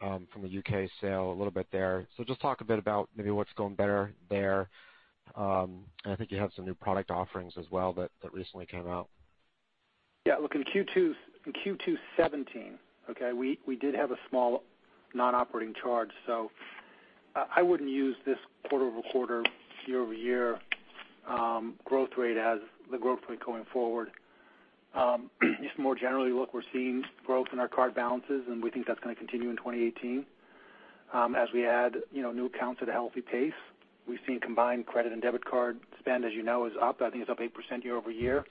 from the U.K. sale a little bit there. Just talk a bit about maybe what's going better there. I think you have some new product offerings as well that recently came out. Yeah. Look, in Q2 2017, okay, we did have a small non-operating charge. I wouldn't use this quarter-over-quarter, year-over-year growth rate as the growth rate going forward. Just more generally, look, we're seeing growth in our card balances, and we think that's going to continue in 2018. As we add new accounts at a healthy pace. We've seen combined credit and debit card spend, as you know, is up. I think it's up 8% year-over-year.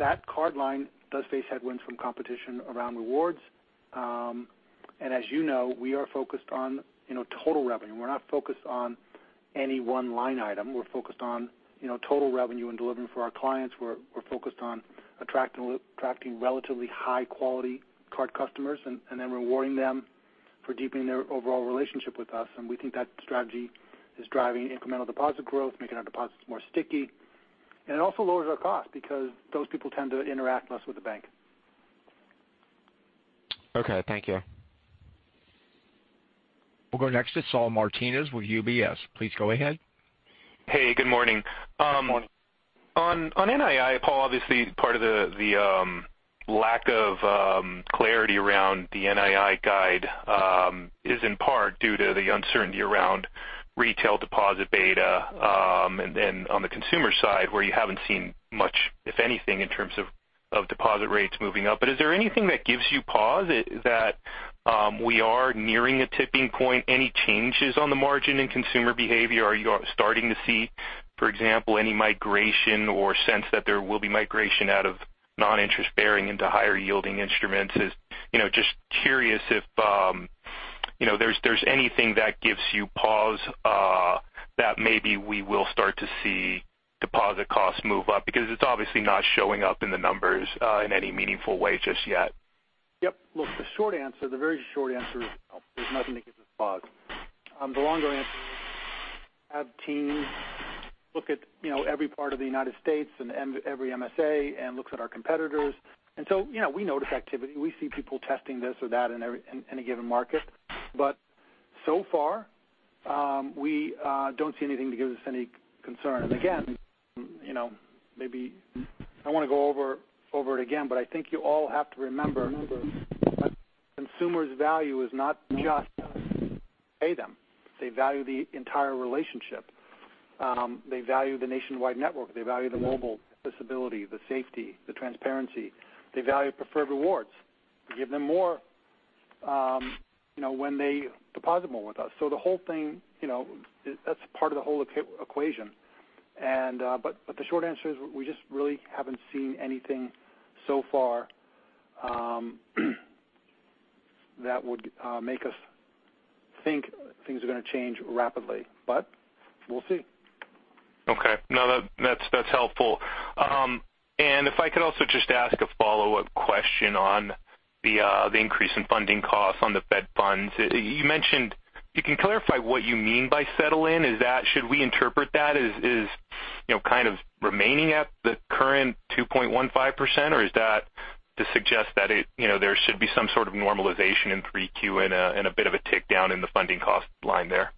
That card line does face headwinds from competition around rewards. As you know, we are focused on total revenue. We're not focused on any one line item. We're focused on total revenue and delivering for our clients. We're focused on attracting relatively high-quality card customers and then rewarding them for deepening their overall relationship with us. We think that strategy is driving incremental deposit growth, making our deposits more sticky. It also lowers our cost because those people tend to interact less with the bank. Okay. Thank you. We'll go next to Saul Martinez with UBS. Please go ahead. Hey, good morning. Good morning. On NII, Paul, obviously part of the lack of clarity around the NII guide is in part due to the uncertainty around retail deposit beta. On the consumer side, where you haven't seen much, if anything, in terms of deposit rates moving up. Is there anything that gives you pause that we are nearing a tipping point? Any changes on the margin in consumer behavior? Are you starting to see, for example, any migration or sense that there will be migration out of non-interest bearing into higher yielding instruments? Just curious if there's anything that gives you pause that maybe we will start to see deposit costs move up because it's obviously not showing up in the numbers in any meaningful way just yet? Yep. Look, the short answer, the very short answer is no. There's nothing that gives us pause. The longer answer is we have teams look at every part of the U.S. and every MSA and looks at our competitors. We notice activity. We see people testing this or that in any given market. So far, we don't see anything to give us any concern. Again, maybe I don't want to go over it again, I think you all have to remember that consumers' value is not just pay them. They value the entire relationship. They value the nationwide network. They value the mobile accessibility, the safety, the transparency. They value Preferred Rewards. We give them more when they deposit more with us. The whole thing, that's part of the whole equation. The short answer is we just really haven't seen anything so far that would make us think things are going to change rapidly. We'll see. Okay. No, that's helpful. If I could also just ask a follow-up question on the increase in funding costs on the Fed funds. You mentioned, you can clarify what you mean by settle in. Should we interpret that as kind of remaining at the current 2.15%? Is that to suggest that there should be some sort of normalization in 3Q and a bit of a tick down in the funding cost line there?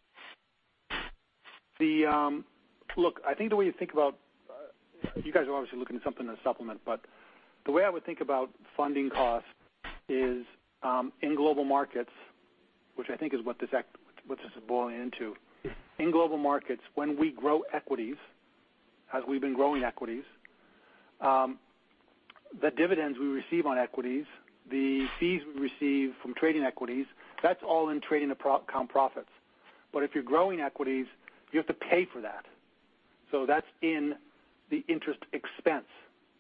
Look, I think the way you think about, you guys are obviously looking at something in the supplement, the way I would think about funding costs is in Global Markets, which I think is what this is boiling into. In Global Markets, when we grow equities, as we've been growing equities, the dividends we receive on equities, the fees we receive from trading equities, that's all in trading account profits. If you're growing equities, you have to pay for that. That's in the interest expense.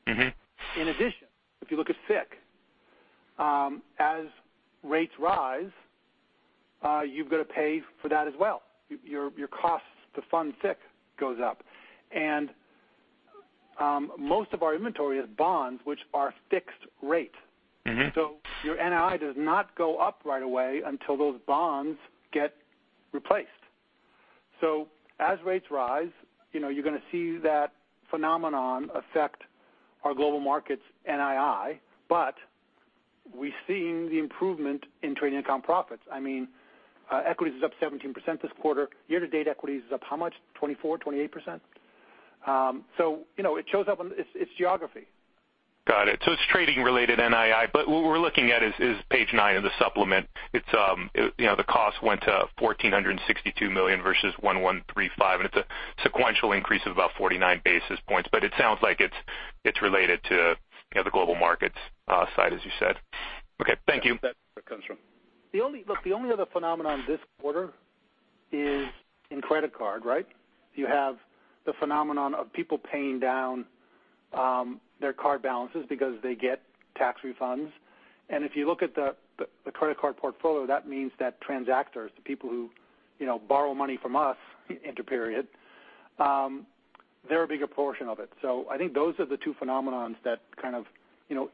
In addition, if you look at FICC, as rates rise, you've got to pay for that as well. Your costs to fund FICC goes up. Most of our inventory is bonds, which are fixed rate. Your NII does not go up right away until those bonds get replaced. As rates rise, you're going to see that phenomenon affect our Global Markets NII, but we're seeing the improvement in trading account profits. I mean, equities is up 17% this quarter. Year-to-date equities is up how much? 24, 28%? It shows up on its geography. Got it. It's trading-related NII, what we're looking at is page nine of the supplement. The cost went to $1,462 million versus $1,135 million, it's a sequential increase of about 49 basis points, it sounds like it's related to the Global Markets side, as you said. Okay. Thank you. That's where it comes from. Look, the only other phenomenon this quarter is in credit card, right? You have the phenomenon of people paying down their card balances because they get tax refunds. If you look at the credit card portfolio, that means that transactors, the people who borrow money from us intra-period, they're a bigger portion of it. I think those are the two phenomenons that kind of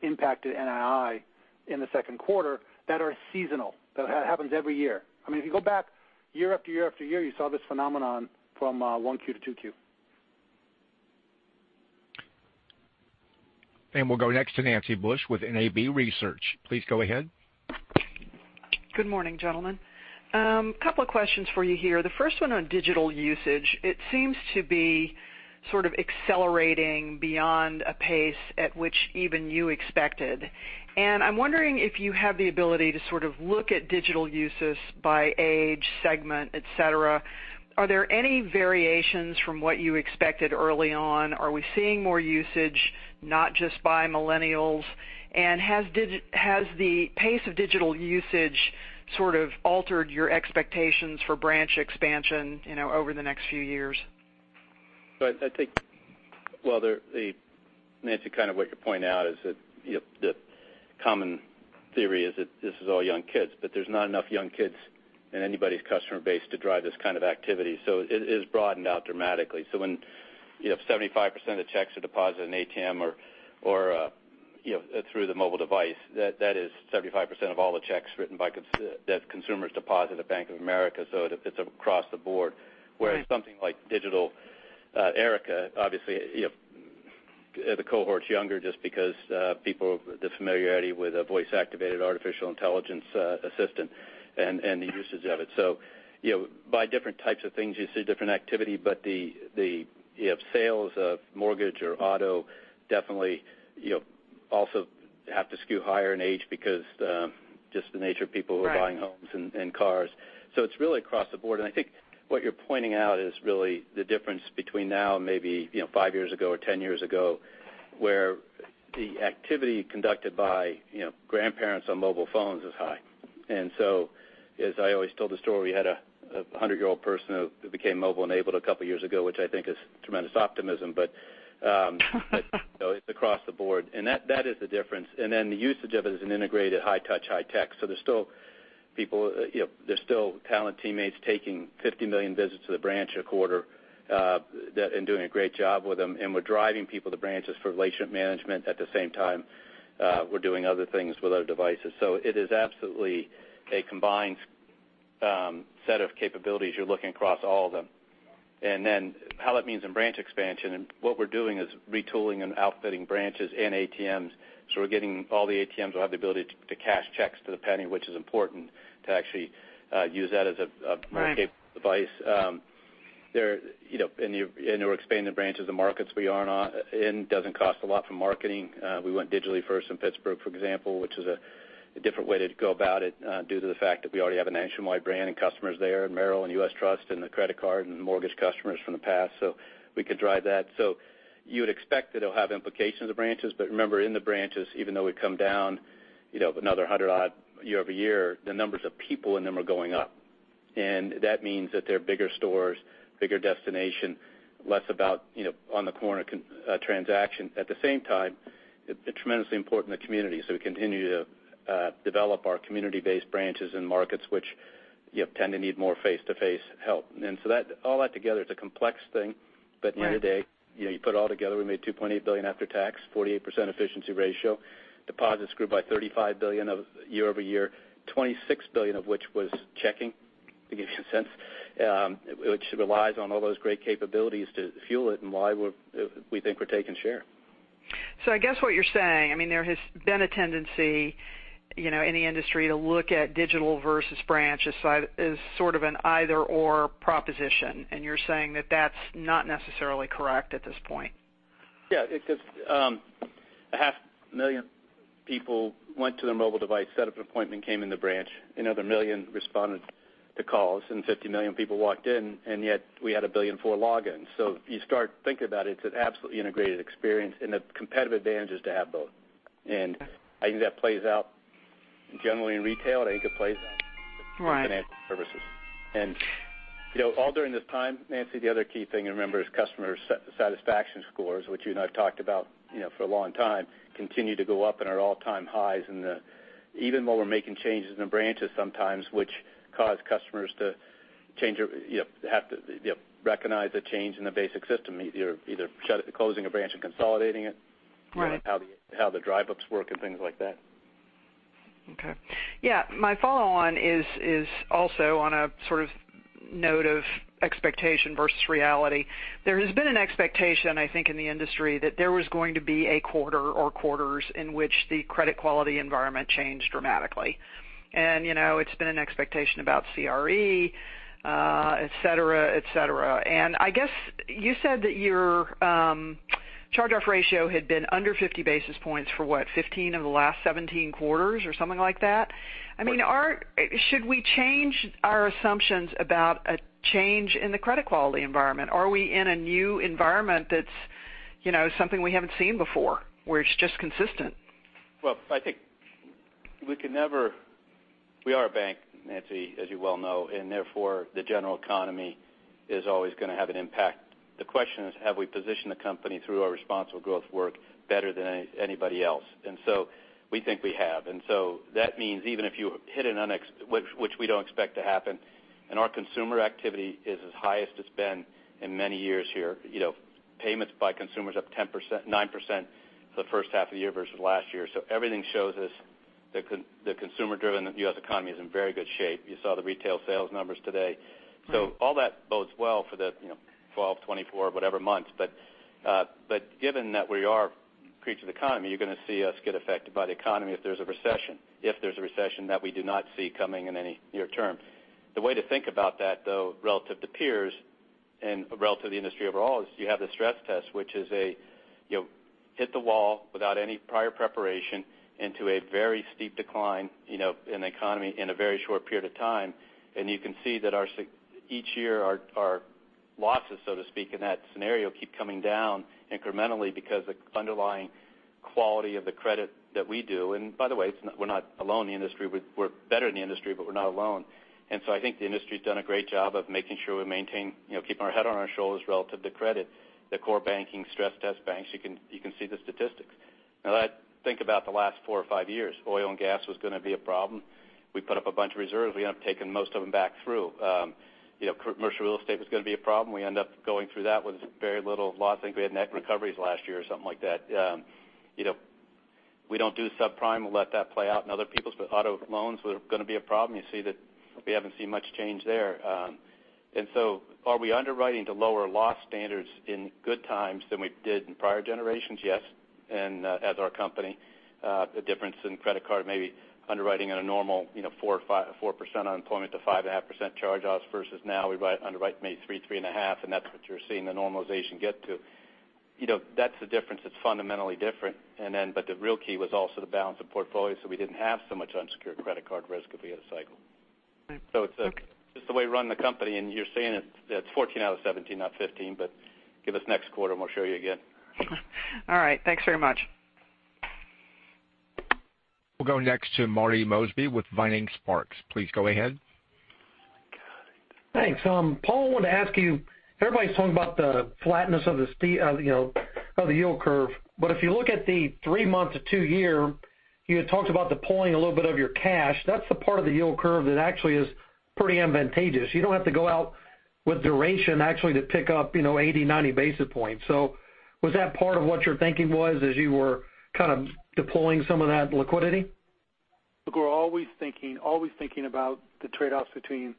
impacted NII in the second quarter that are seasonal, that happens every year. I mean, if you go back year after year after year, you saw this phenomenon from 1Q to 2Q. We'll go next to Nancy Bush with NAB Research. Please go ahead. Good morning, gentlemen. Couple of questions for you here. The first one on digital usage. It seems to be sort of accelerating beyond a pace at which even you expected. I'm wondering if you have the ability to sort of look at digital usage by age, segment, et cetera. Are there any variations from what you expected early on? Are we seeing more usage, not just by millennials? Has the pace of digital usage sort of altered your expectations for branch expansion over the next few years? Nancy, kind of what you're pointing out is that the common theory is that this is all young kids, but there's not enough young kids in anybody's customer base to drive this kind of activity. It is broadened out dramatically. When you have 75% of checks are deposited in ATM or through the mobile device, that is 75% of all the checks written by consumers deposit at Bank of America. It's across the board. Whereas something like digital Erica, obviously, the cohort's younger just because people, the familiarity with a voice-activated artificial intelligence assistant and the usage of it. By different types of things, you see different activity, but the sales of mortgage or auto definitely also have to skew higher in age because just the nature of people who are buying homes and cars. It's really across the board. I think what you're pointing out is really the difference between now and maybe 5 years ago or 10 years ago, where the activity conducted by grandparents on mobile phones is high. As I always told the story, we had a 100-year-old person who became mobile-enabled a couple years ago, which I think is tremendous optimism. It's across the board. That is the difference. The usage of it is an integrated high touch, high tech. There's still people, there's still talent teammates taking 50 million visits to the branch a quarter, and doing a great job with them. We're driving people to branches for relationship management. At the same time, we're doing other things with our devices. It is absolutely a combined set of capabilities. You're looking across all of them. How that means in branch expansion, and what we're doing is retooling and outfitting branches and ATMs. We're getting all the ATMs will have the ability to cash checks to the penny, which is important to actually use that as a- Right device. We're expanding the branches in markets we are not in. It doesn't cost a lot for marketing. We went digitally first in Pittsburgh, for example, which is a different way to go about it due to the fact that we already have a nationwide brand and customers there in Merrill and U.S. Trust, and the credit card and the mortgage customers from the past. We could drive that. You would expect that it'll have implications of branches. Remember, in the branches, even though we've come down another 100-odd year-over-year, the numbers of people in them are going up. That means that they're bigger stores, bigger destination, less about on the corner transaction. At the same time, they're tremendously important in the community. We continue to develop our community-based branches in markets which tend to need more face-to-face help. That, all that together, it's a complex thing. Right. At the end of the day, you put it all together, we made $2.8 billion after tax, 48% efficiency ratio. Deposits grew by $35 billion year-over-year, $26 billion of which was checking, to give you a sense, which relies on all those great capabilities to fuel it and why we think we're taking share. I guess what you're saying, there has been a tendency in the industry to look at digital versus branch as sort of an either/or proposition. You're saying that that's not necessarily correct at this point. Yeah. A half million people went to their mobile device, set up an appointment, came in the branch. Another million responded to calls, and 50 million people walked in, and yet we had 1 billion for logins. If you start thinking about it's an absolutely integrated experience, and the competitive advantage is to have both. Okay. I think that plays out generally in retail. I think it plays out. Right in financial services. All during this time, Nancy, the other key thing to remember is customer satisfaction scores, which you and I have talked about for a long time, continue to go up and are at all-time highs. Even though we're making changes in the branches sometimes which cause customers to recognize a change in the basic system, either closing a branch and consolidating it- Right how the drive-ups work and things like that. Okay. Yeah. My follow on is also on a sort of note of expectation versus reality. There has been an expectation, I think, in the industry that there was going to be a quarter or quarters in which the credit quality environment changed dramatically. It's been an expectation about CRE, et cetera. I guess you said that your charge-off ratio had been under 50 basis points for what? 15 of the last 17 quarters or something like that? Right. Should we change our assumptions about a change in the credit quality environment? Are we in a new environment that's something we haven't seen before, where it's just consistent? Well, I think we are a bank, Nancy, as you well know. Therefore, the general economy is always going to have an impact. The question is, have we positioned the company through our responsible growth work better than anybody else? We think we have. That means even if you hit which we don't expect to happen, and our consumer activity is as high as it's been in many years here. Payments by consumers up 9% the first half of the year versus last year. Everything shows us the consumer-driven U.S. economy is in very good shape. You saw the retail sales numbers today. Right. All that bodes well for the 12, 24, whatever months. Given that we are a creature of the economy, you're going to see us get affected by the economy if there's a recession. If there's a recession that we do not see coming in any near term. The way to think about that, though, relative to peers and relative to the industry overall, is you have the stress test, which is hit the wall without any prior preparation into a very steep decline in the economy in a very short period of time. You can see that each year our losses, so to speak, in that scenario keep coming down incrementally because the underlying quality of the credit that we do. By the way, we're not alone in the industry. We're better than the industry, but we're not alone. I think the industry's done a great job of making sure we maintain, keeping our head on our shoulders relative to credit. The core banking stress test banks, you can see the statistics. Now think about the last four or five years. Oil and gas was going to be a problem. We put up a bunch of reserves. We end up taking most of them back through. Commercial real estate was going to be a problem. We end up going through that with very little loss. I think we had net recoveries last year or something like that. We don't do subprime. We'll let that play out in other people's. Auto loans were going to be a problem. You see that we haven't seen much change there. Are we underwriting to lower loss standards in good times than we did in prior generations? Yes. As our company, the difference in credit card maybe underwriting at a normal 4% unemployment to 5.5% charge-offs versus now we underwrite maybe three and a half, and that's what you're seeing the normalization get to. That's the difference. It's fundamentally different. The real key was also the balance of portfolio, so we didn't have so much unsecured credit card risk if we hit a cycle. Right. Okay. It's just the way we run the company. You're saying it's 14 out of 17, not 15, but give us next quarter, and we'll show you again. All right. Thanks very much. We'll go next to Marty Mosby with Vining Sparks. Please go ahead. Thanks. Paul, I wanted to ask you, everybody's talking about the flatness of the yield curve. If you look at the three-month to two-year, you had talked about deploying a little bit of your cash. That's the part of the yield curve that actually is pretty advantageous. You don't have to go out with duration actually to pick up 80, 90 basis points. Was that part of what your thinking was as you were deploying some of that liquidity? Look, we're always thinking about the trade-offs between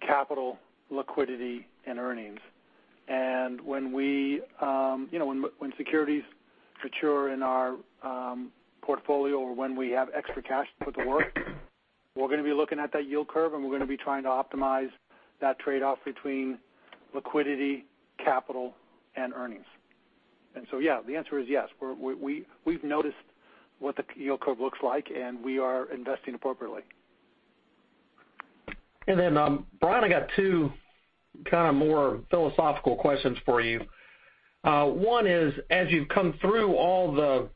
capital liquidity and earnings. When securities mature in our portfolio or when we have extra cash to put to work, we're going to be looking at that yield curve, and we're going to be trying to optimize that trade-off between liquidity, capital, and earnings. Yeah, the answer is yes. We've noticed what the yield curve looks like, and we are investing appropriately. Brian, I got two more philosophical questions for you. One is, as you've come through all the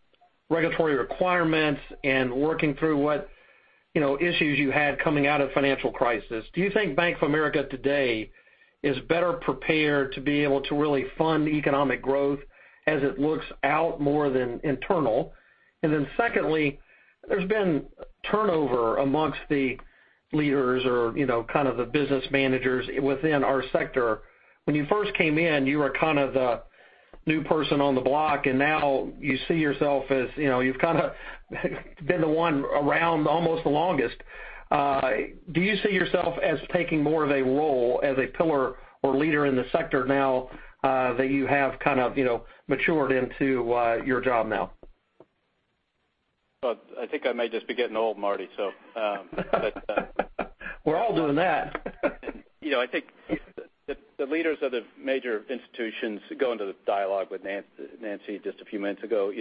regulatory requirements and working through what issues you had coming out of the financial crisis, do you think Bank of America today is better prepared to be able to really fund economic growth as it looks out more than internal? Secondly, there's been turnover amongst the leaders or the business managers within our sector. When you first came in, you were kind of the new person on the block, and now you see yourself as you've kind of been the one around almost the longest. Do you see yourself as taking more of a role as a pillar or leader in the sector now that you have matured into your job now? Well, I think I may just be getting old, Marty. We're all doing that. I think the leaders of the major institutions, going into the dialogue with Nancy just a few minutes ago,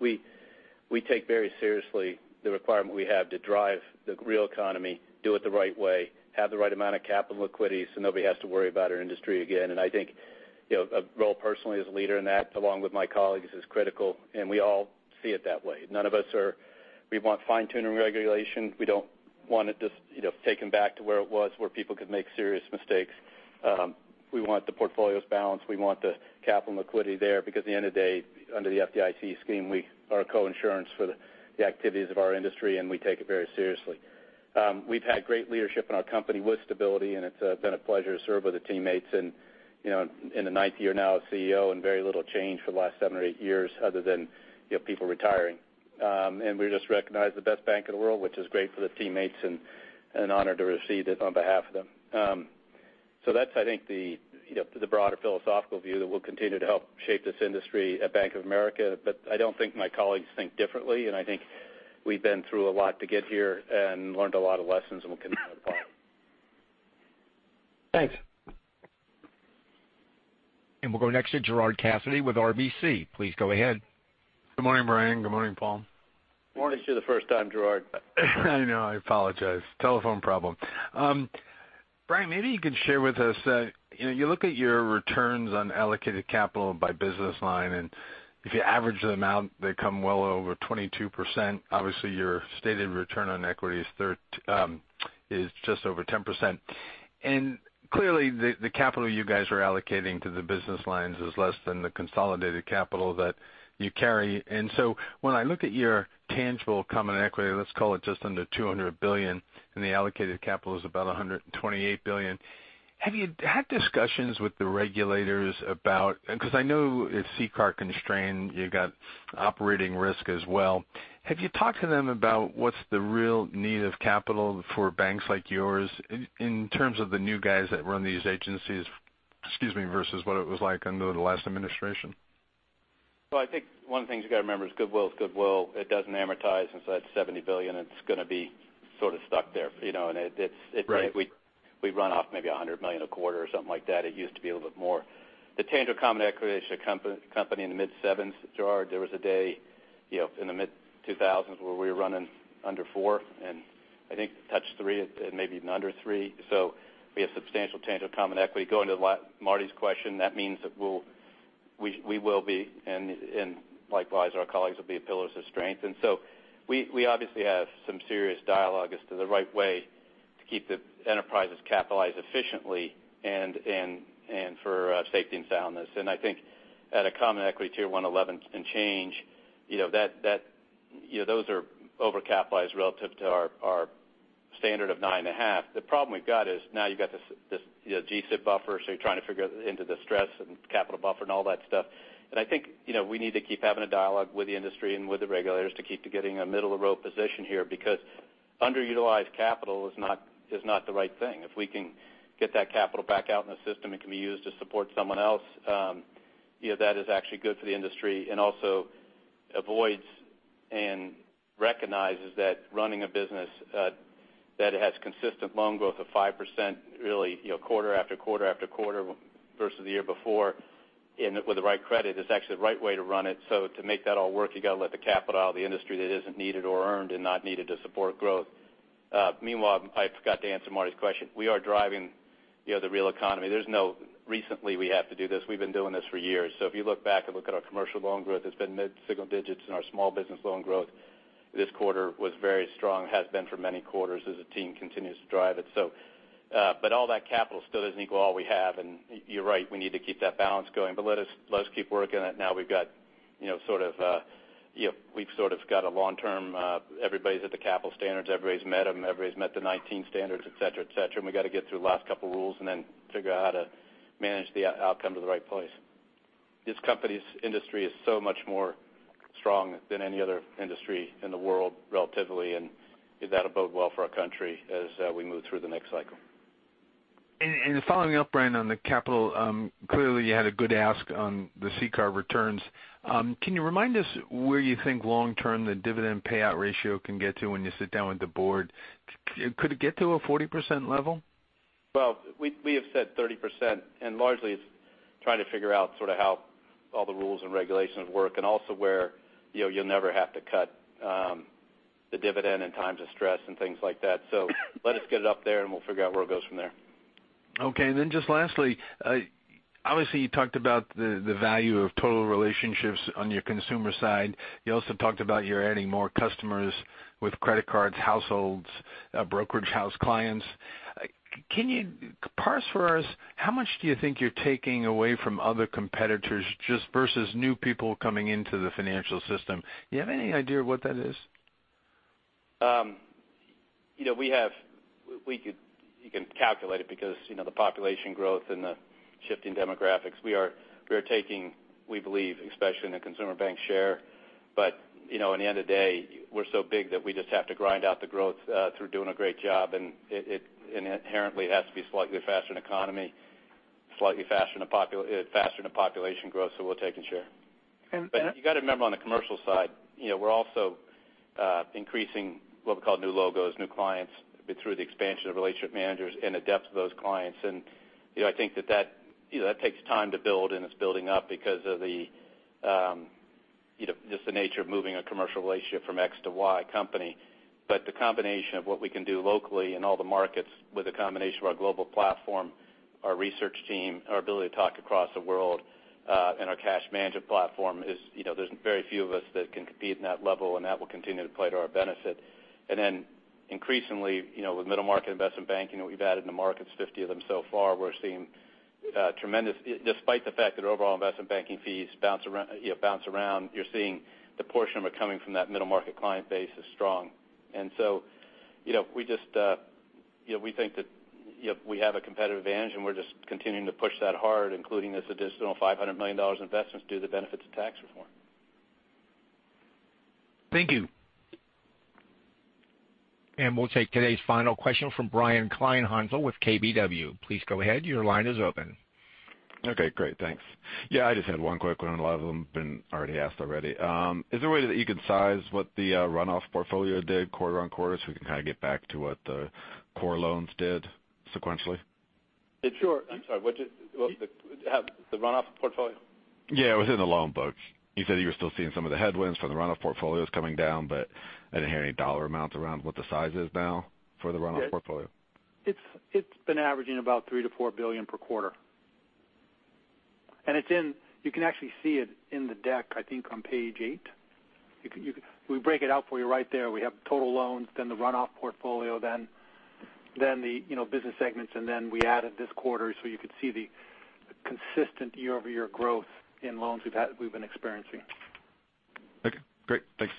we take very seriously the requirement we have to drive the real economy, do it the right way, have the right amount of capital liquidity so nobody has to worry about our industry again. I think, my role personally as a leader in that, along with my colleagues, is critical, and we all see it that way. We want fine-tuning regulation. We don't want it just taken back to where it was, where people could make serious mistakes. We want the portfolios balanced. We want the capital liquidity there because at the end of the day, under the FDIC scheme, we are co-insurance for the activities of our industry, and we take it very seriously. We've had great leadership in our company with stability, and it's been a pleasure to serve with the teammates and in the ninth year now as CEO and very little change for the last seven or eight years other than people retiring. We were just recognized as the best bank in the world, which is great for the teammates and an honor to receive it on behalf of them. That's I think the broader philosophical view that we'll continue to help shape this industry at Bank of America. I don't think my colleagues think differently, I think we've been through a lot to get here and learned a lot of lessons, and we'll continue to apply them. Thanks. We'll go next to Gerard Cassidy with RBC. Please go ahead. Good morning, Brian. Good morning, Paul. Morning to you the first time, Gerard. I know. I apologize. Telephone problem. Brian, maybe you can share with us. You look at your returns on allocated capital by business line, if you average them out, they come well over 22%. Obviously, your stated return on equity is just over 10%. Clearly, the capital you guys are allocating to the business lines is less than the consolidated capital that you carry. When I look at your tangible common equity, let's call it just under $200 billion, and the allocated capital is about $128 billion. Have you had discussions with the regulators about, because I know it's CCAR constrained, you got operating risk as well. Have you talked to them about what's the real need of capital for banks like yours in terms of the new guys that run these agencies versus what it was like under the last administration? Well, I think one of the things you got to remember is goodwill is goodwill. It doesn't amortize. That $70 billion, it's going to be sort of stuck there. Right. We run off maybe $100 million a quarter or something like that. It used to be a little bit more. The tangible common equity as a company in the mid-sevens, Gerard. There was a day, in the mid-2000s where we were running under four, and I think touched three, and maybe even under three. We have substantial tangible common equity. Going to Marty's question, that means that we will be, and likewise, our colleagues will be pillars of strength. We obviously have some serious dialogue as to the right way to keep the enterprises capitalized efficiently and for safety and soundness. I think at a common equity tier 1 11 and change, those are overcapitalized relative to our standard of nine and a half. The problem we've got is now you've got this G-SIB buffer. You're trying to figure into the stress and capital buffer and all that stuff. I think we need to keep having a dialogue with the industry and with the regulators to keep to getting a middle-of-the-road position here, because underutilized capital is not the right thing. If we can get that capital back out in the system, it can be used to support someone else. That is actually good for the industry and also avoids and recognizes that running a business that has consistent loan growth of 5% really quarter after quarter after quarter versus the year before, and with the right credit, is actually the right way to run it. To make that all work, you got to let the capital out of the industry that isn't needed or earned and not needed to support growth. Meanwhile, I forgot to answer Marty's question. We are driving the real economy. There's no recently we have to do this. We've been doing this for years. If you look back and look at our commercial loan growth, it's been mid-single digits in our small business loan growth. This quarter was very strong, has been for many quarters as the team continues to drive it. All that capital still doesn't equal all we have, and you're right, we need to keep that balance going. Let us keep working on it. Now we've sort of got a long-term, everybody's at the capital standards, everybody's met them, everybody's met the 2019 standards, et cetera. We've got to get through the last couple rules and figure out how to manage the outcome to the right place. This company's industry is so much more strong than any other industry in the world, relatively, that'll bode well for our country as we move through the next cycle. Following up, Brian, on the capital. Clearly, you had a good ask on the CCAR returns. Can you remind us where you think long term the dividend payout ratio can get to when you sit down with the board? Could it get to a 40% level? Well, we have said 30%, and largely it's trying to figure out sort of how all the rules and regulations work, and also where you'll never have to cut the dividend in times of stress and things like that. Let us get it up there, and we'll figure out where it goes from there. Okay, just lastly, obviously, you talked about the value of total relationships on your Consumer side. You also talked about you're adding more customers with credit cards, households, brokerage house clients. Can you parse for us how much do you think you're taking away from other competitors just versus new people coming into the financial system? Do you have any idea what that is? You can calculate it because the population growth and the shifting demographics we are taking, we believe, especially in the Consumer Bank share. At the end of the day, we're so big that we just have to grind out the growth through doing a great job, and inherently, it has to be slightly faster than economy, slightly faster than population growth, so we're taking share. You got to remember on the commercial side, we're also increasing what we call new logos, new clients through the expansion of relationship managers and the depth of those clients. I think that takes time to build and it's building up because of just the nature of moving a commercial relationship from X to Y company. The combination of what we can do locally in all the markets with the combination of our global platform, our research team, our ability to talk across the world, and our cash management platform is there's very few of us that can compete in that level, and that will continue to play to our benefit. Increasingly, with middle market investment banking that we've added in the markets, 50 of them so far, despite the fact that overall investment banking fees bounce around, you're seeing the portion of it coming from that middle market client base is strong. We think that we have a competitive advantage, and we're just continuing to push that hard, including this additional $500 million investment due to the benefits of tax reform. Thank you. We'll take today's final question from Brian Kleinhanzl with KBW. Please go ahead. Your line is open. Okay, great. Thanks. I just had one quick one. A lot of them been already asked already. Is there a way that you can size what the runoff portfolio did quarter-on-quarter so we can kind of get back to what the core loans did sequentially? Sure. I'm sorry, The runoff portfolio? Yeah, within the loan books. You said you were still seeing some of the headwinds from the runoff portfolios coming down, I didn't hear any dollar amounts around what the size is now for the runoff portfolio. It's been averaging about $3 billion-$4 billion per quarter. You can actually see it in the deck, I think on page eight. We break it out for you right there. We have total loans, then the runoff portfolio, then the business segments, and then we added this quarter so you could see the consistent year-over-year growth in loans we've been experiencing. Okay, great. Thanks.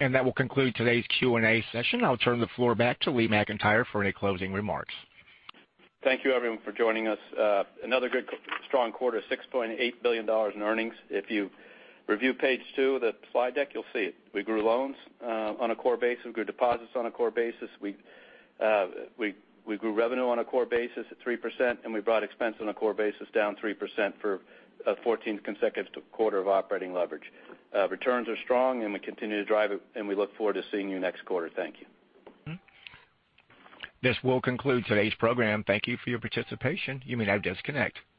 That will conclude today's Q&A session. I'll turn the floor back to Lee McEntire for any closing remarks. Thank you, everyone, for joining us. Another good strong quarter, $6.8 billion in earnings. If you review page two of the slide deck, you'll see it. We grew loans on a core basis. We grew deposits on a core basis. We grew revenue on a core basis at 3%, and we brought expense on a core basis down 3% for a 14th consecutive quarter of operating leverage. Returns are strong, and we continue to drive it, and we look forward to seeing you next quarter. Thank you. This will conclude today's program. Thank you for your participation. You may now disconnect. Have a great day